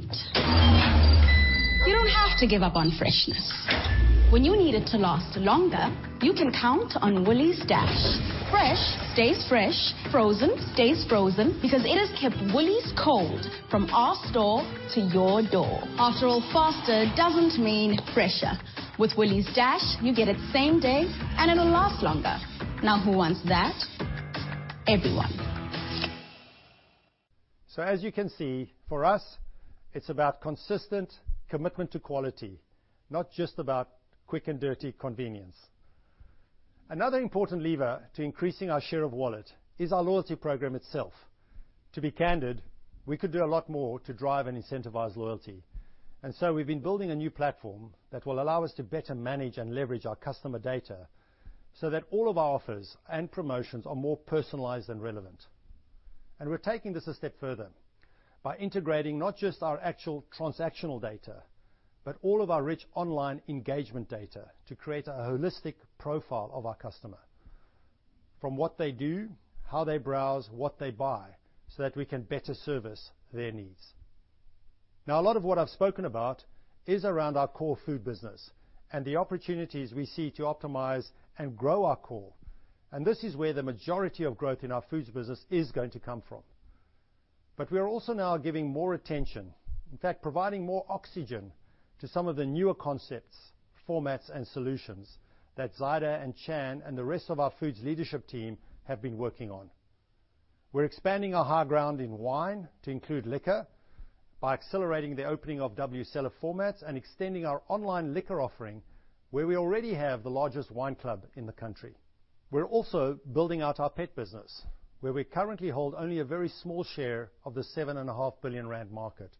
you don't have to give up on freshness. When you need it to last longer, you can count on Woolies Dash. Fresh stays fresh, frozen stays frozen, because it is kept Woolies cold from our store to your door. After all, faster doesn't mean fresher. With Woolies Dash, you get it same day, and it'll last longer. Now, who wants that? Everyone. As you can see, for us, it's about consistent commitment to quality, not just about quick and dirty convenience. Another important lever to increasing our share of wallet is our loyalty program itself. To be candid, we could do a lot more to drive and incentivize loyalty, and so we've been building a new platform that will allow us to better manage and leverage our customer data so that all of our offers and promotions are more personalized and relevant. We're taking this a step further by integrating not just our actual transactional data, but all of our rich online engagement data to create a holistic profile of our customer from what they do, how they browse, what they buy, so that we can better service their needs. Now, a lot of what I've spoken about is around our core food business and the opportunities we see to optimize and grow our core, and this is where the majority of growth in our foods business is going to come from. But we are also now giving more attention, in fact, providing more oxygen, to some of the newer concepts, formats, and solutions that Zaid and Shannon and the rest of our foods leadership team have been working on. We're expanding our high ground in wine to include liquor by accelerating the opening of WCellar formats and extending our online liquor offering, where we already have the largest wine club in the country. We're also building out our pet business, where we currently hold only a very small share of the 7.5 billion rand market,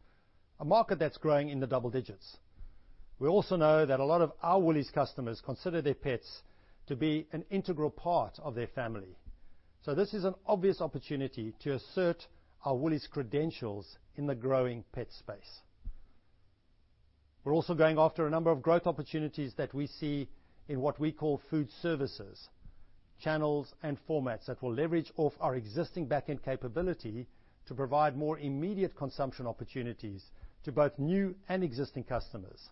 a market that's growing in the double digits. We also know that a lot of our Woolies customers consider their pets to be an integral part of their family. So this is an obvious opportunity to assert our Woolies credentials in the growing pet space. We're also going after a number of growth opportunities that we see in what we call food services, channels and formats that will leverage off our existing backend capability to provide more immediate consumption opportunities to both new and existing customers.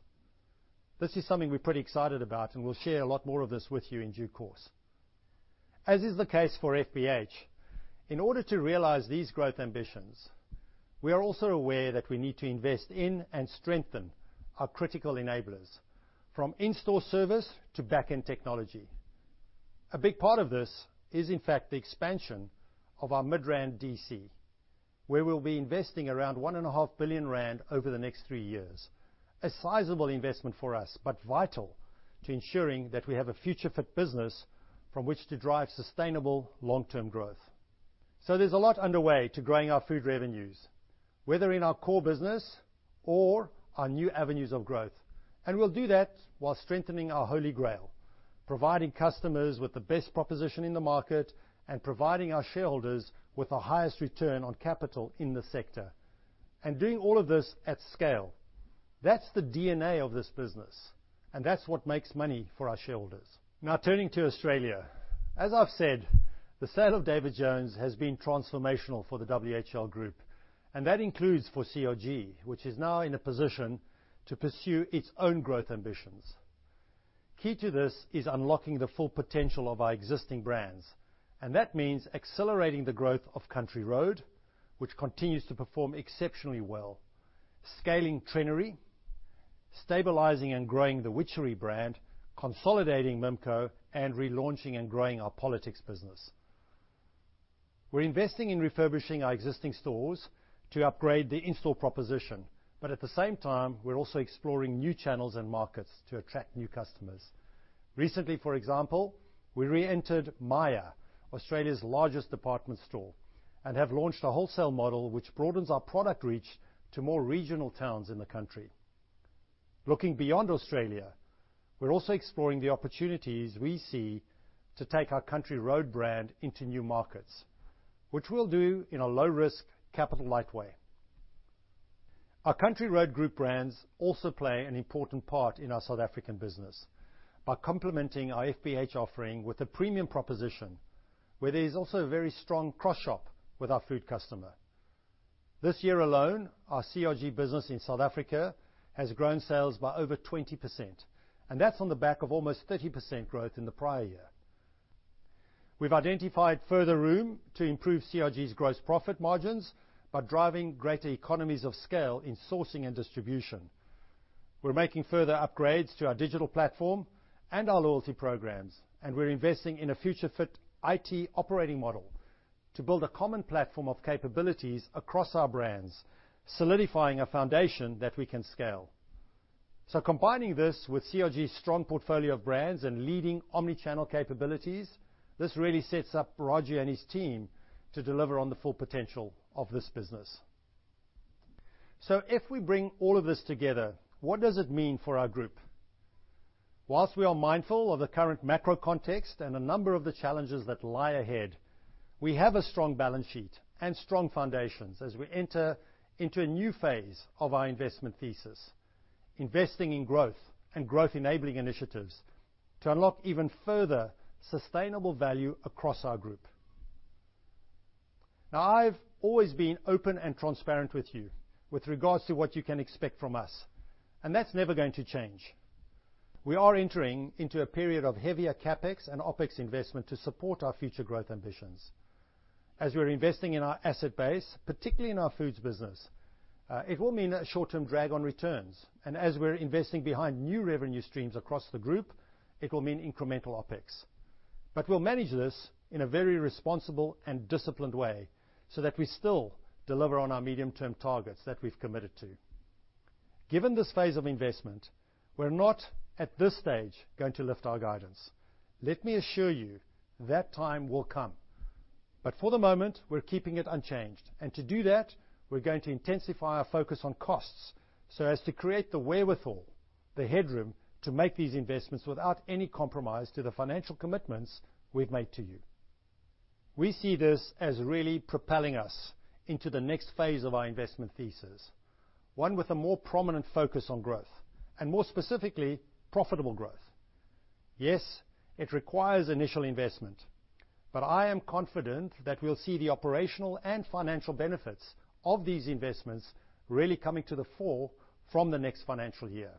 This is something we're pretty excited about, and we'll share a lot more of this with you in due course. As is the case for FBH, in order to realize these growth ambitions, we are also aware that we need to invest in and strengthen our critical enablers, from in-store service to backend technology. A big part of this is, in fact, the expansion of our Midrand DC, where we'll be investing around 1.5 billion rand over the next three years, a sizable investment for us, but vital to ensuring that we have a future-fit business from which to drive sustainable long-term growth. So there's a lot underway to growing our food revenues, whether in our core business or our new avenues of growth, and we'll do that while strengthening our Holy Grail, providing customers with the best proposition in the market and providing our shareholders with the highest return on capital in the sector, and doing all of this at scale. That's the DNA of this business, and that's what makes money for our shareholders. Now, turning to Australia, as I've said, the sale of David Jones has been transformational for the WHL group, and that includes for CRG, which is now in a position to pursue its own growth ambitions. Key to this is unlocking the full potential of our existing brands, and that means accelerating the growth of Country Road, which continues to perform exceptionally well, scaling Trenery, stabilizing and growing the Witchery brand, consolidating Mimco, and relaunching and growing our Politix business. We're investing in refurbishing our existing stores to upgrade the in-store proposition, but at the same time, we're also exploring new channels and markets to attract new customers. Recently, for example, we reentered Myer, Australia's largest department store, and have launched a wholesale model, which broadens our product reach to more regional towns in the country. Looking beyond Australia, we're also exploring the opportunities we see to take our Country Road brand into new markets, which we'll do in a low-risk, capital-light way. Our Country Road Group brands also play an important part in our South African business by complementing our FBH offering with a premium proposition, where there is also a very strong cross-shop with our food customer. This year alone, our CRG business in South Africa has grown sales by over 20%, and that's on the back of almost 30% growth in the prior year. We've identified further room to improve CRG's gross profit margins by driving greater economies of scale in sourcing and distribution. We're making further upgrades to our digital platform and our loyalty programs, and we're investing in a future-fit IT operating model to build a common platform of capabilities across our brands, solidifying a foundation that we can scale. Combining this with CRG's strong portfolio of brands and leading omni-channel capabilities, this really sets up Raju and his team to deliver on the full potential of this business. If we bring all of this together, what does it mean for our group? While we are mindful of the current macro context and a number of the challenges that lie ahead, we have a strong balance sheet and strong foundations as we enter into a new phase of our investment thesis, investing in growth and growth-enabling initiatives to unlock even further sustainable value across our group. Now, I've always been open and transparent with you with regards to what you can expect from us, and that's never going to change. We are entering into a period of heavier CapEx and OpEx investment to support our future growth ambitions. As we're investing in our asset base, particularly in our foods business, it will mean a short-term drag on returns, and as we're investing behind new revenue streams across the group, it will mean incremental OpEx. But we'll manage this in a very responsible and disciplined way so that we still deliver on our medium-term targets that we've committed to. Given this phase of investment, we're not, at this stage, going to lift our guidance. Let me assure you, that time will come, but for the moment, we're keeping it unchanged, and to do that, we're going to intensify our focus on costs so as to create the wherewithal, the headroom, to make these investments without any compromise to the financial commitments we've made to you. We see this as really propelling us into the next phase of our investment thesis, one with a more prominent focus on growth, and more specifically, profitable growth. Yes, it requires initial investment, but I am confident that we'll see the operational and financial benefits of these investments really coming to the fore from the next financial year.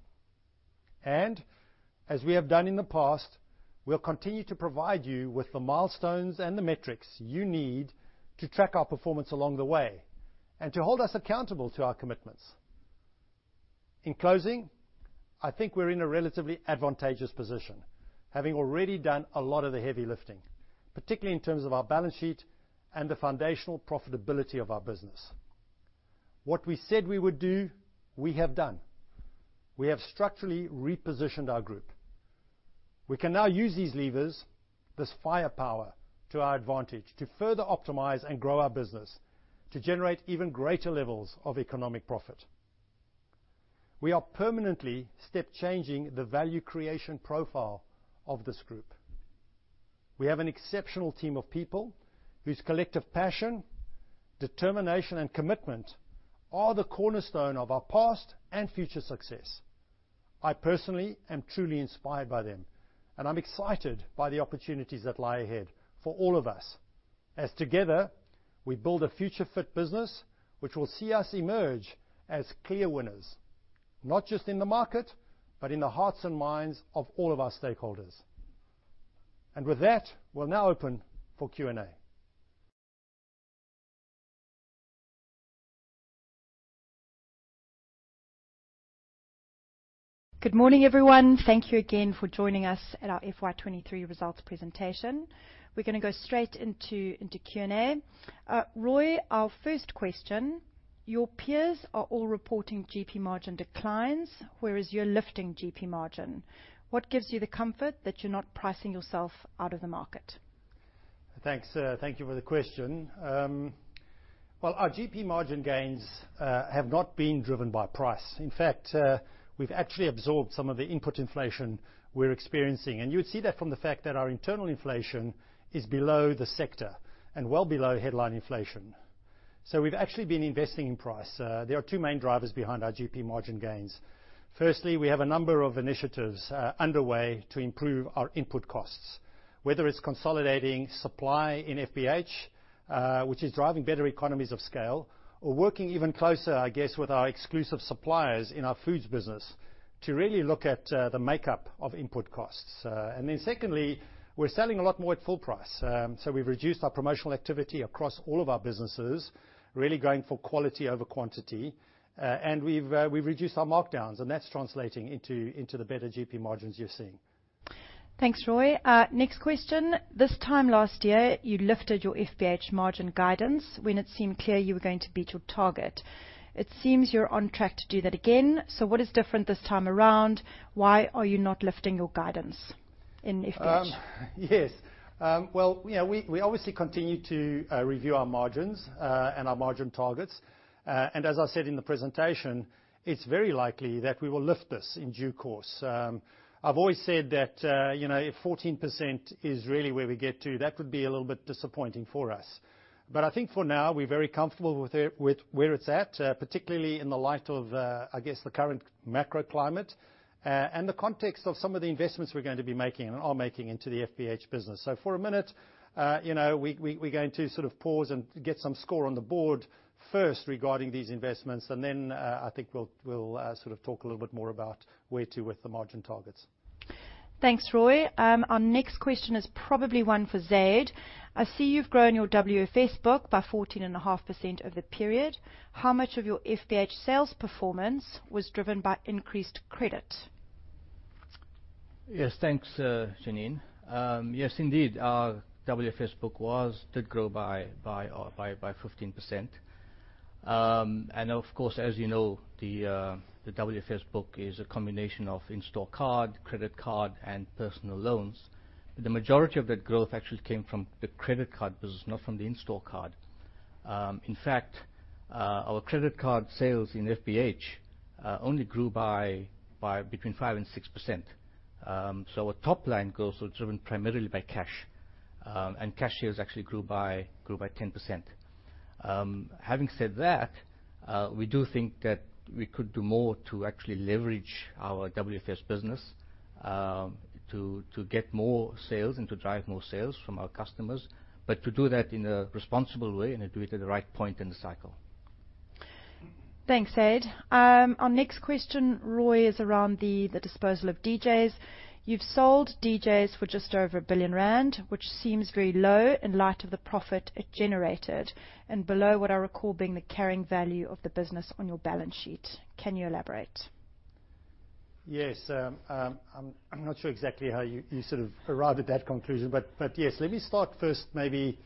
We'll continue to provide you with the milestones and the metrics you need to track our performance along the way and to hold us accountable to our commitments. In closing, I think we're in a relatively advantageous position, having already done a lot of the heavy lifting, particularly in terms of our balance sheet and the foundational profitability of our business. What we said we would do, we have done. We have structurally repositioned our group. We can now use these levers, this firepower, to our advantage to further optimize and grow our business, to generate even greater levels of economic profit. We are permanently step-changing the value creation profile of this group. We have an exceptional team of people whose collective passion, determination, and commitment are the cornerstone of our past and future success. I personally am truly inspired by them, and I'm excited by the opportunities that lie ahead for all of us, as together, we build a future-fit business, which will see us emerge as clear winners, not just in the market, but in the hearts and minds of all of our stakeholders. With that, we'll now open for Q&A. Good morning, everyone. Thank you again for joining us at our FY 2023 results presentation. We're gonna go straight into Q&A. Roy, our first question: Your peers are all reporting GP margin declines, whereas you're lifting GP margin. What gives you the comfort that you're not pricing yourself out of the market? Thanks. Thank you for the question. Well, our GP margin gains have not been driven by price. In fact, we've actually absorbed some of the input inflation we're experiencing, and you would see that from the fact that our internal inflation is below the sector and well below headline inflation. So we've actually been investing in price. There are two main drivers behind our GP margin gains. Firstly, we have a number of initiatives underway to improve our input costs, whether it's consolidating supply in FBH, which is driving better economies of scale, or working even closer, I guess, with our exclusive suppliers in our foods business to really look at the makeup of input costs. And then secondly, we're selling a lot more at full price. So we've reduced our promotional activity across all of our businesses, really going for quality over quantity, and we've reduced our markdowns, and that's translating into the better GP margins you're seeing.... Thanks, Roy. Next question: this time last year, you lifted your FBH margin guidance when it seemed clear you were going to beat your target. It seems you're on track to do that again, so what is different this time around? Why are you not lifting your guidance in FBH? Yes. Well, you know, we obviously continue to review our margins and our margin targets. And as I said in the presentation, it's very likely that we will lift this in due course. I've always said that, you know, if 14% is really where we get to, that would be a little bit disappointing for us. But I think for now, we're very comfortable with it, with where it's at, particularly in the light of, I guess, the current macro climate and the context of some of the investments we're going to be making and are making into the FBH business. So for a minute, you know, we're going to sort of pause and get some score on the board first regarding these investments, and then, I think we'll sort of talk a little bit more about where to with the margin targets. Thanks, Roy. Our next question is probably one for Zaid. I see you've grown your WFS book by 14.5% over the period. How much of your FBH sales performance was driven by increased credit? Yes. Thanks, Jeanine. Yes, indeed, our WFS book did grow by 15%. And of course, as you know, the WFS book is a combination of in-store card, credit card, and personal loans. The majority of that growth actually came from the credit card business, not from the in-store card. In fact, our credit card sales in FBH only grew by between 5% and 6%. So our top line growth was driven primarily by cash, and cash sales actually grew by 10%. Having said that, we do think that we could do more to actually leverage our WFS business, to get more sales and to drive more sales from our customers, but to do that in a responsible way, and to do it at the right point in the cycle. Thanks, Zaid. Our next question, Roy, is around the disposal of DJ's. You've sold DJ's for just over 1 billion rand, which seems very low in light of the profit it generated, and below what I recall being the carrying value of the business on your balance sheet. Can you elaborate? Yes. I'm not sure exactly how you sort of arrived at that conclusion, but yes. Let me start first maybe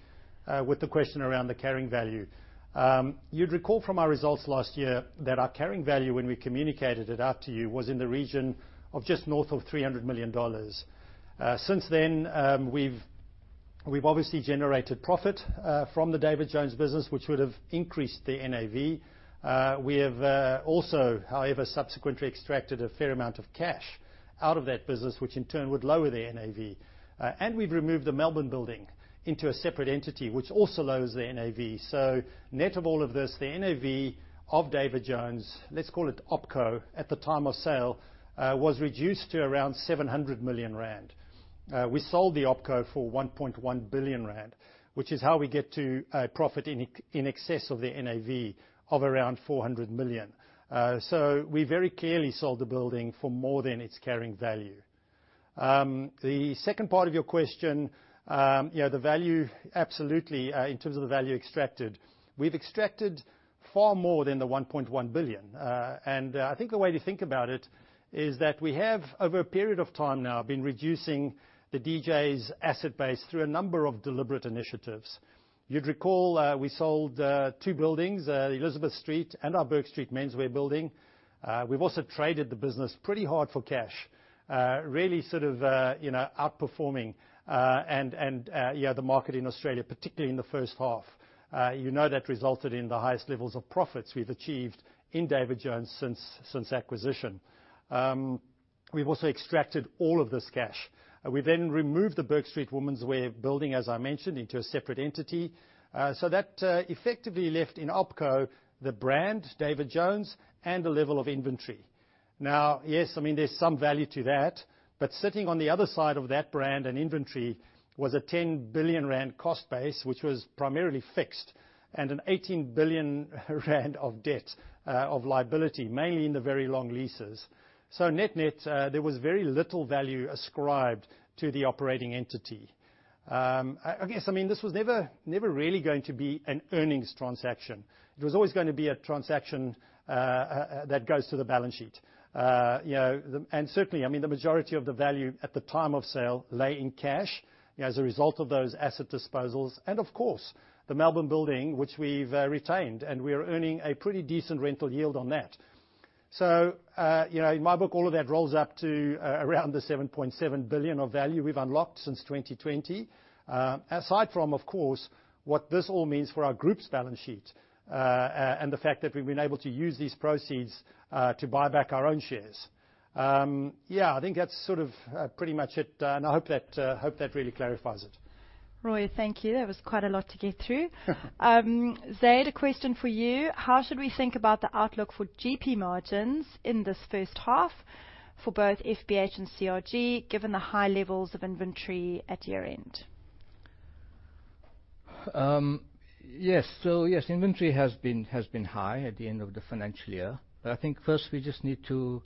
with the question around the carrying value. You'd recall from our results last year that our carrying value, when we communicated it out to you, was in the region of just north of 300 million dollars. Since then, we've obviously generated profit from the David Jones business, which would have increased the NAV. We have also, however, subsequently extracted a fair amount of cash out of that business, which in turn would lower the NAV. And we've removed the Melbourne building into a separate entity, which also lowers the NAV. Net of all of this, the NAV of David Jones, let's call it OpCo, at the time of sale, was reduced to around 700 million rand. We sold the OpCo for 1.1 billion rand, which is how we get to a profit in excess of the NAV of around 400 million. So we very clearly sold the building for more than its carrying value. The second part of your question, you know, the value, absolutely, in terms of the value extracted. We've extracted far more than the 1.1 billion. And, I think the way to think about it is that we have, over a period of time now, been reducing the DJ's asset base through a number of deliberate initiatives. You'd recall, we sold two buildings, Elizabeth Street and our Bourke Street menswear building. We've also traded the business pretty hard for cash. Really sort of, you know, outperforming, and, and, yeah, the market in Australia, particularly in the first half. You know, that resulted in the highest levels of profits we've achieved in David Jones since, since acquisition. We've also extracted all of this cash. We then removed the Bourke Street womenswear building, as I mentioned, into a separate entity. So that, effectively left in OpCo, the brand, David Jones, and the level of inventory. Now, yes, I mean, there's some value to that, but sitting on the other side of that brand and inventory was a 10 billion rand cost base, which was primarily fixed, and a 18 billion rand of debt of liability, mainly in the very long leases. So net-net, there was very little value ascribed to the operating entity. I guess, I mean, this was never really going to be an earnings transaction. It was always gonna be a transaction that goes to the balance sheet. You know, the... And certainly, I mean, the majority of the value at the time of sale lay in cash, you know, as a result of those asset disposals, and of course, the Melbourne building, which we've retained, and we are earning a pretty decent rental yield on that. So, you know, in my book, all of that rolls up to around the 7.7 billion of value we've unlocked since 2020. Aside from, of course, what this all means for our group's balance sheet, and the fact that we've been able to use these proceeds to buy back our own shares. Yeah, I think that's sort of pretty much it, and I hope that really clarifies it. Roy, thank you. That was quite a lot to get through. Zaid, a question for you: How should we think about the outlook for GP margins in this first half for both FBH and CRG, given the high levels of inventory at year-end? Yes. So yes, inventory has been high at the end of the financial year, but I think first we just need to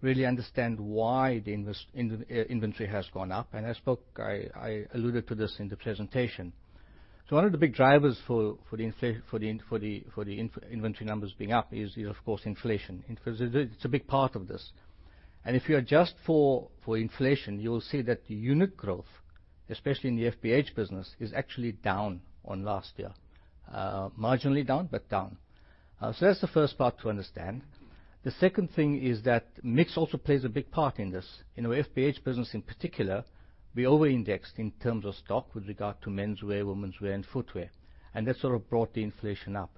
really understand why the inventory has gone up, and I alluded to this in the presentation. So one of the big drivers for the inventory numbers being up is, of course, inflation. It’s a big part of this. And if you adjust for inflation, you will see that the unit growth, especially in the FBH business, is actually down on last year. Marginally down, but down. So that’s the first part to understand. The second thing is that mix also plays a big part in this. In our FBH business, in particular, we over-indexed in terms of stock with regard to menswear, womenswear, and footwear, and that sort of brought the inflation up.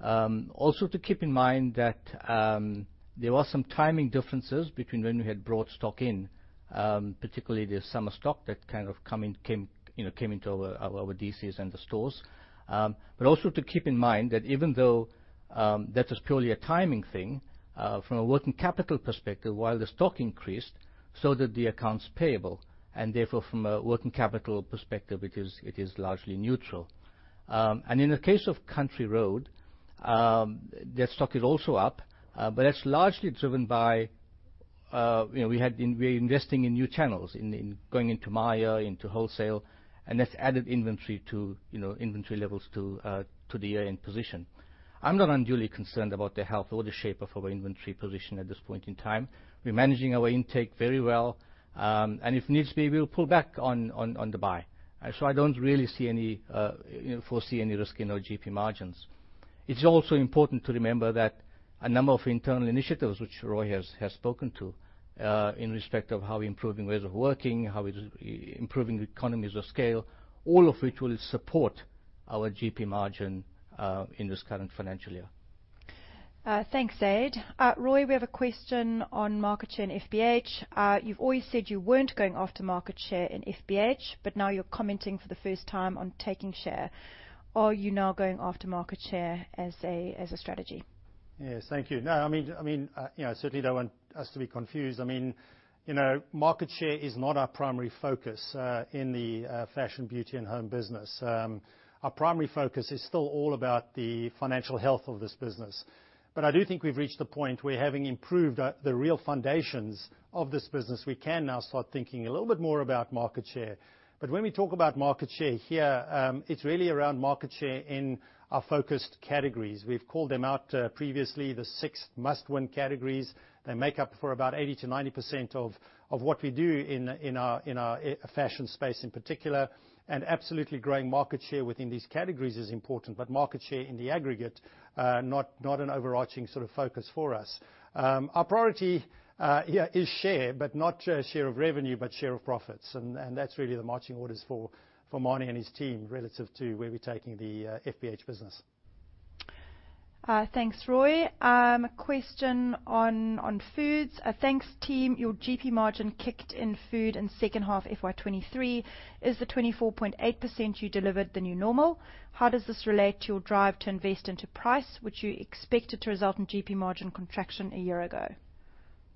Also to keep in mind that there were some timing differences between when we had brought stock in, particularly the summer stock that kind of came in, you know, came into our DCs and the stores. But also to keep in mind that even though that was purely a timing thing, from a working capital perspective, while the stock increased, so did the accounts payable, and therefore, from a working capital perspective, it is largely neutral. And in the case of Country Road, their stock is also up, but that's largely driven by... You know, we're investing in new channels, in going into Myer, into wholesale, and that's added inventory to inventory levels to the year-end position. I'm not unduly concerned about the health or the shape of our inventory position at this point in time. We're managing our intake very well, and if needs be, we'll pull back on the buy. So I don't really see any foresee any risk in our GP margins. It's also important to remember that a number of internal initiatives, which Roy has spoken to, in respect of how we're improving ways of working, how we're improving economies of scale, all of which will support our GP margin in this current financial year. Thanks, Zaid. Roy, we have a question on market share and FBH. You've always said you weren't going after market share in FBH, but now you're commenting for the first time on taking share. Are you now going after market share as a, as a strategy? Yes. Thank you. No, I mean, I mean, you know, I certainly don't want us to be confused. I mean, you know, market share is not our primary focus, in the Fashion, Beauty, and Home business. Our primary focus is still all about the financial health of this business. But I do think we've reached the point where, having improved the real foundations of this business, we can now start thinking a little bit more about market share. But when we talk about market share here, it's really around market share in our focused categories. We've called them out, previously, the six must-win categories. They make up for about 80%-90% of what we do in our fashion space in particular, and absolutely growing market share within these categories is important, but market share in the aggregate, not an overarching sort of focus for us. Our priority here is share, but not share of revenue, but share of profits, and that's really the marching orders for Manie and his team relative to where we're taking the FBH business. Thanks, Roy. A question on Foods: "Thanks, team. Your GP margin kicked in Food in second half FY 2023. Is the 24.8% you delivered the new normal? How does this relate to your drive to invest into price, which you expected to result in GP margin contraction a year ago?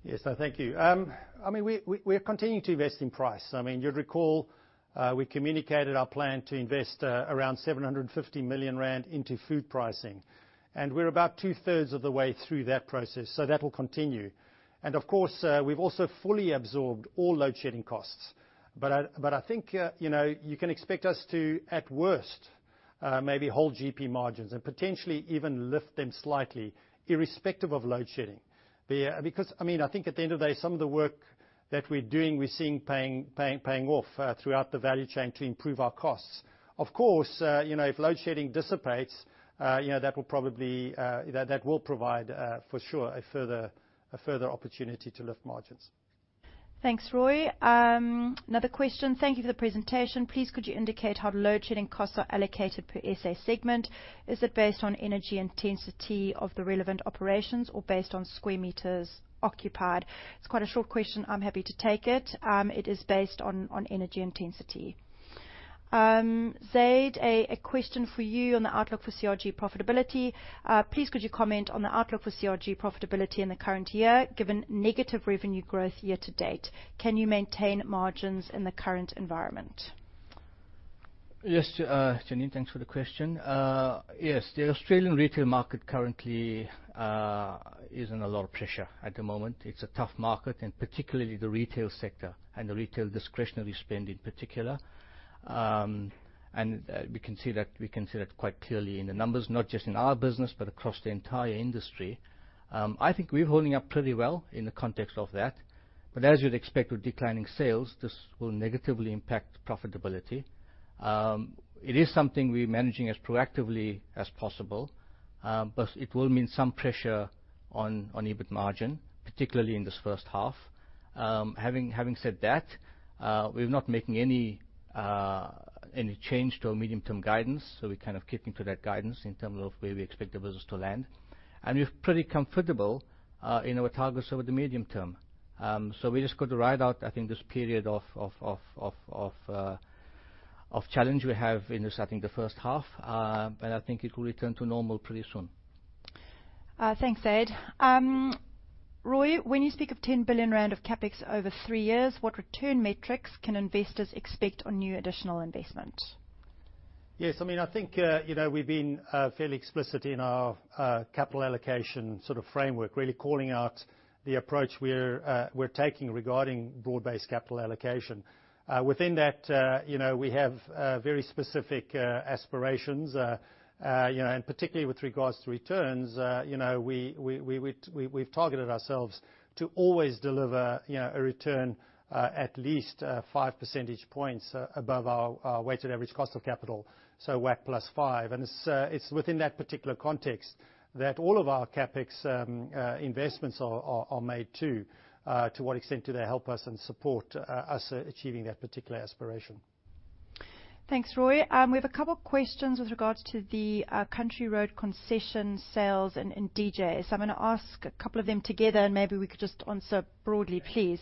Yes. No, thank you. I mean, we are continuing to invest in price. I mean, you'd recall, we communicated our plan to invest around 750 million rand into food pricing, and we're about two-thirds of the way through that process, so that will continue. And of course, we've also fully absorbed all load-shedding costs, but I think, you know, you can expect us to, at worst, maybe hold GP margins and potentially even lift them slightly, irrespective of load shedding. Because, I mean, I think at the end of the day, some of the work that we're doing, we're seeing paying off throughout the value chain to improve our costs. Of course, you know, if Load Shedding dissipates, you know, that will probably, that will provide, for sure, a further opportunity to lift margins. Thanks, Roy. Another question: "Thank you for the presentation. Please, could you indicate how load-shedding costs are allocated per SA segment? Is it based on energy intensity of the relevant operations or based on square meters occupied?" It's quite a short question. I'm happy to take it. It is based on energy intensity. Zaid, a question for you on the outlook for CRG profitability. Please, could you comment on the outlook for CRG profitability in the current year, given negative revenue growth year to date? Can you maintain margins in the current environment? Yes, Jeanine, thanks for the question. Yes, the Australian retail market currently is in a lot of pressure at the moment. It's a tough market, and particularly the retail sector and the retail discretionary spend in particular. We can see that, we can see that quite clearly in the numbers, not just in our business, but across the entire industry. I think we're holding up pretty well in the context of that, but as you'd expect with declining sales, this will negatively impact profitability. It is something we're managing as proactively as possible, but it will mean some pressure on EBIT margin, particularly in this first half. Having said that, we're not making any change to our medium-term guidance, so we're kind of keeping to that guidance in terms of where we expect the business to land. We're pretty comfortable in our targets over the medium term. So we've just got to ride out, I think, this period of challenge we have in this, I think, the first half, but I think it will return to normal pretty soon. Thanks, Zaid. Roy, when you speak of 10 billion rand of CapEx over three years, what return metrics can investors expect on new additional investment?... Yes, I mean, I think, you know, we've been fairly explicit in our capital allocation sort of framework, really calling out the approach we're taking regarding broad-based capital allocation. Within that, you know, we have very specific aspirations, you know, and particularly with regards to returns, you know, we, we've targeted ourselves to always deliver, you know, a return at least five percentage points above our weighted average cost of capital, so WACC plus five. And it's within that particular context that all of our CapEx investments are made, too, to what extent do they help us and support us achieving that particular aspiration? Thanks, Roy. We have a couple of questions with regards to the Country Road concession sales and DJ's. So I'm gonna ask a couple of them together, and maybe we could just answer broadly, please.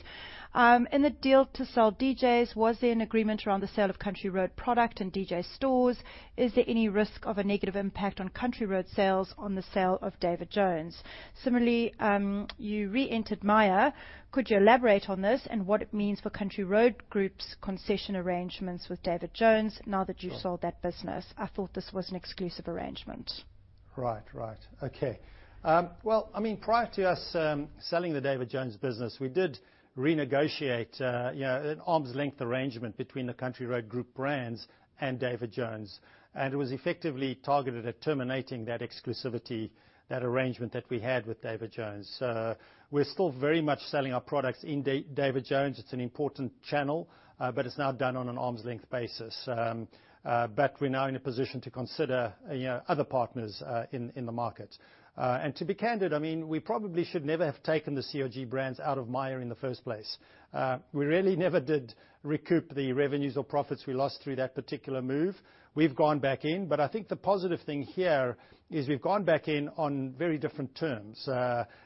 In the deal to sell DJ's, was there an agreement around the sale of Country Road product in DJ's stores? Is there any risk of a negative impact on Country Road sales on the sale of David Jones? Similarly, you reentered Myer. Could you elaborate on this and what it means for Country Road Group's concession arrangements with David Jones now that you've sold that business? I thought this was an exclusive arrangement. Right. Right. Okay. Well, I mean, prior to us selling the David Jones business, we did renegotiate, you know, an arm's length arrangement between the Country Road Group brands and David Jones, and it was effectively targeted at terminating that exclusivity, that arrangement that we had with David Jones. We're still very much selling our products in David Jones. It's an important channel, but it's now done on an arm's length basis. But we're now in a position to consider, you know, other partners, in the market. And to be candid, I mean, we probably should never have taken the CRG brands out of Myer in the first place. We really never did recoup the revenues or profits we lost through that particular move. We've gone back in, but I think the positive thing here is we've gone back in on very different terms,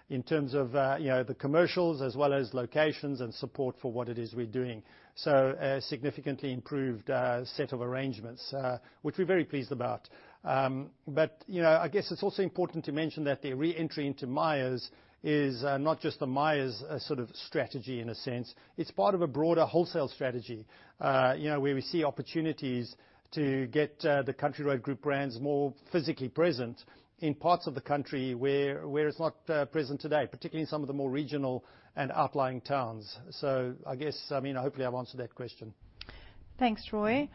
in terms of, you know, the commercials as well as locations and support for what it is we're doing, so a significantly improved set of arrangements, which we're very pleased about. But, you know, I guess it's also important to mention that the reentry into Myer is not just a Myer sort of strategy in a sense. It's part of a broader wholesale strategy, you know, where we see opportunities to get the Country Road Group brands more physically present in parts of the country where it's not present today, particularly in some of the more regional and outlying towns. So I guess, I mean, hopefully, I've answered that question. Thanks, Roy.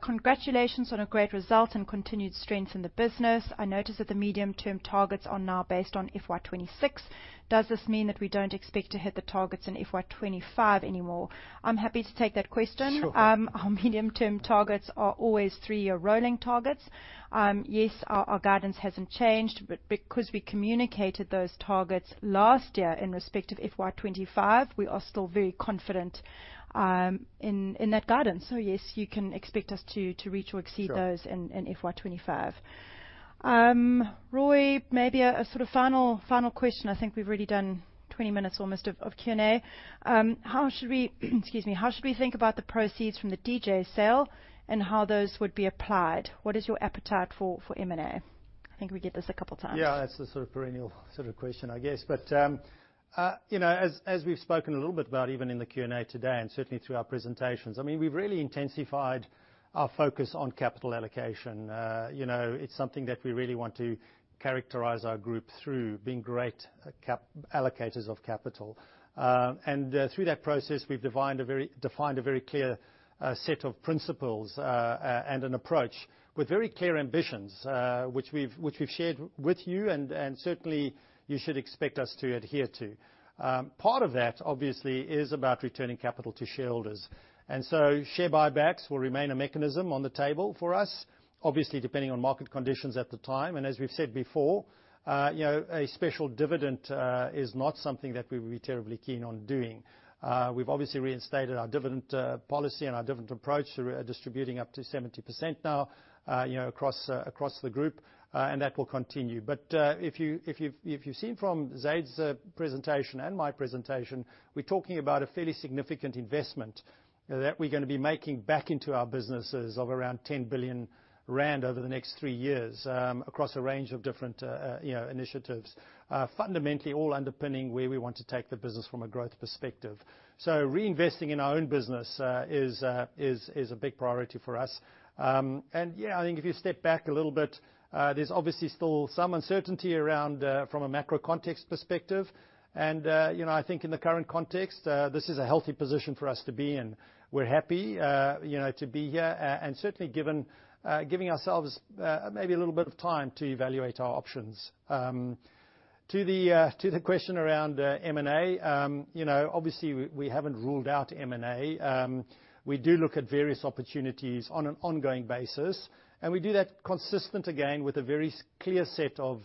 Congratulations on a great result and continued strength in the business. I noticed that the medium-term targets are now based on FY26. Does this mean that we don't expect to hit the targets in FY25 anymore? I'm happy to take that question. Sure. Our medium-term targets are always three-year rolling targets. Yes, our guidance hasn't changed, but because we communicated those targets last year in respect of FY25, we are still very confident in that guidance. So yes, you can expect us to reach or exceed those- Sure. in FY 2025. Roy, maybe a sort of final question. I think we've already done 20 minutes almost of Q&A. How should we... Excuse me. How should we think about the proceeds from the DJ sale and how those would be applied? What is your appetite for M&A? I think we did this a couple times. Yeah, that's the sort of perennial sort of question, I guess, but, you know, as we've spoken a little bit about, even in the Q&A today, and certainly through our presentations, I mean, we've really intensified our focus on capital allocation. You know, it's something that we really want to characterize our group through, being great allocators of capital. And, through that process, we've defined a very clear set of principles, and an approach with very clear ambitions, which we've shared with you, and certainly, you should expect us to adhere to. Part of that, obviously, is about returning capital to shareholders, and so share buybacks will remain a mechanism on the table for us, obviously, depending on market conditions at the time, and as we've said before, you know, a special dividend is not something that we would be terribly keen on doing. We've obviously reinstated our dividend policy and our dividend approach. We're distributing up to 70% now, you know, across, across the group, and that will continue. But, if you've seen from Zaid's presentation and my presentation, we're talking about a fairly significant investment that we're gonna be making back into our businesses of around 10 billion rand over the next three years, across a range of different, you know, initiatives, fundamentally, all underpinning where we want to take the business from a growth perspective. So reinvesting in our own business is a big priority for us. And yeah, I think if you step back a little bit, there's obviously still some uncertainty around, from a macro context perspective, and, you know, I think in the current context, this is a healthy position for us to be in. We're happy, you know, to be here, and certainly given, giving ourselves, maybe a little bit of time to evaluate our options. To the question around M&A, you know, obviously, we haven't ruled out M&A. We do look at various opportunities on an ongoing basis, and we do that consistent, again, with a very clear set of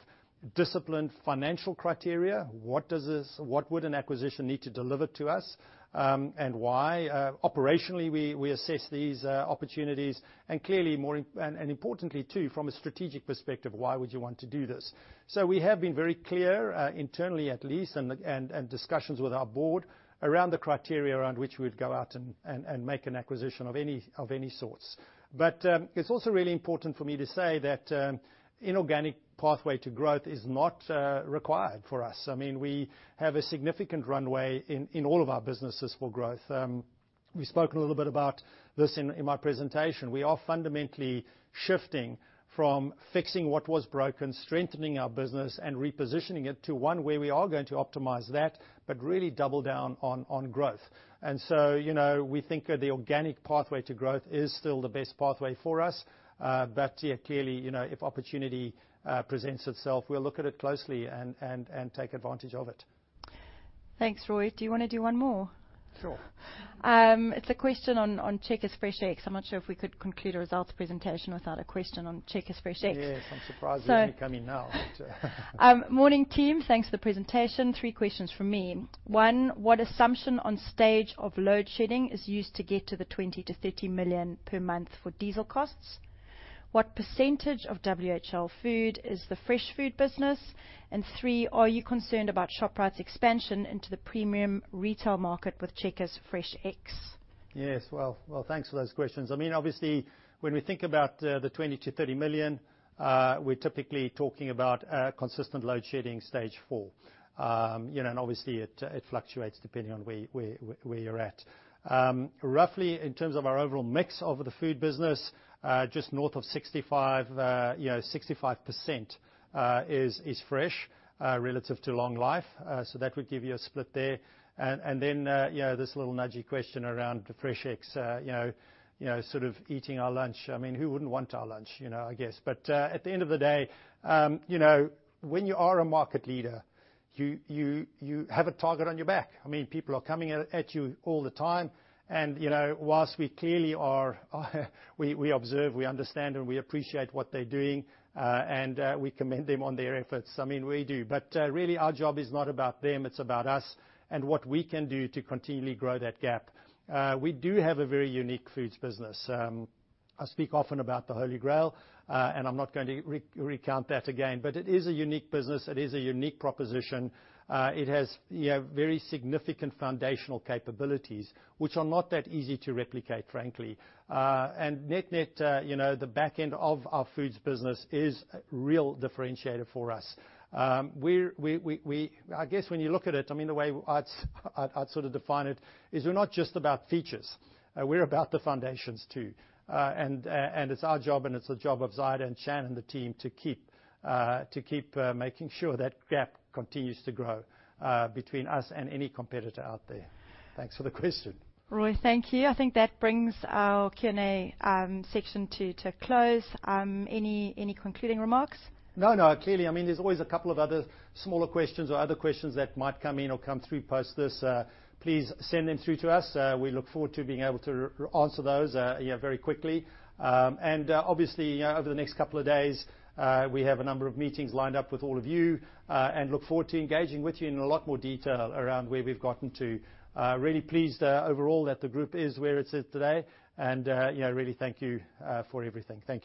disciplined financial criteria. What does this, what would an acquisition need to deliver to us, and why? Operationally, we assess these opportunities, and clearly more, and importantly, too, from a strategic perspective, why would you want to do this? So we have been very clear, internally at least, and discussions with our board, around the criteria around which we'd go out and make an acquisition of any sorts. But, it's also really important for me to say that, inorganic pathway to growth is not, required for us. I mean, we have a significant runway in, in all of our businesses for growth. We spoke a little bit about this in, in my presentation. We are fundamentally shifting from fixing what was broken, strengthening our business, and repositioning it to one where we are going to optimize that, but really double down on, on growth. And so, you know, we think that the organic pathway to growth is still the best pathway for us, but, yeah, clearly, you know, if opportunity, presents itself, we'll look at it closely and, and, and take advantage of it. Thanks, Roy. Do you wanna do one more? Sure. It's a question on Checkers FreshX. I'm not sure if we could conclude a results presentation without a question on Checkers FreshX. Yes, I'm surprised they're only coming now. Morning, team. Thanks for the presentation. 3 questions from me. 1, what assumption on stage of Load Shedding is used to get to the 20-30 million per month for diesel costs? What percentage of WHL Food is the fresh food business? And 3, are you concerned about Shoprite's expansion into the premium retail market with Checkers FreshX? Yes. Well, well, thanks for those questions. I mean, obviously, when we think about the 20 million-30 million, we're typically talking about consistent load shedding Stage 4. You know, and obviously, it fluctuates depending on where you're at. Roughly, in terms of our overall mix of the food business, just north of 65, you know, 65% is fresh relative to long life, so that would give you a split there. And then, you know, this little nudgy question around the FreshX, you know, sort of eating our lunch. I mean, who wouldn't want our lunch, you know, I guess? But at the end of the day, you know, when you are a market leader, you have a target on your back. I mean, people are coming at you all the time, and, you know, whilst we clearly are... We observe, we understand, and we appreciate what they're doing, and, we commend them on their efforts. I mean, we do. But, really, our job is not about them, it's about us and what we can do to continually grow that gap. We do have a very unique foods business. I speak often about the Holy Grail, and I'm not going to recount that again, but it is a unique business. It is a unique proposition. It has, you know, very significant foundational capabilities, which are not that easy to replicate, frankly. And net-net, you know, the back end of our foods business is a real differentiator for us. We're... I guess when you look at it, I mean, the way I'd sort of define it, is we're not just about features, we're about the foundations, too. And it's our job, and it's the job of Zaid, and Shannon, and the team to keep making sure that gap continues to grow between us and any competitor out there. Thanks for the question. Roy, thank you. I think that brings our Q&A section to close. Any concluding remarks? No, no, clearly, I mean, there's always a couple of other smaller questions or other questions that might come in or come through post this. Please send them through to us. We look forward to being able to answer those, you know, very quickly. And, obviously, you know, over the next couple of days, we have a number of meetings lined up with all of you, and look forward to engaging with you in a lot more detail around where we've gotten to. Really pleased, overall, that the group is where it is today, and, you know, really thank you, for everything. Thank you.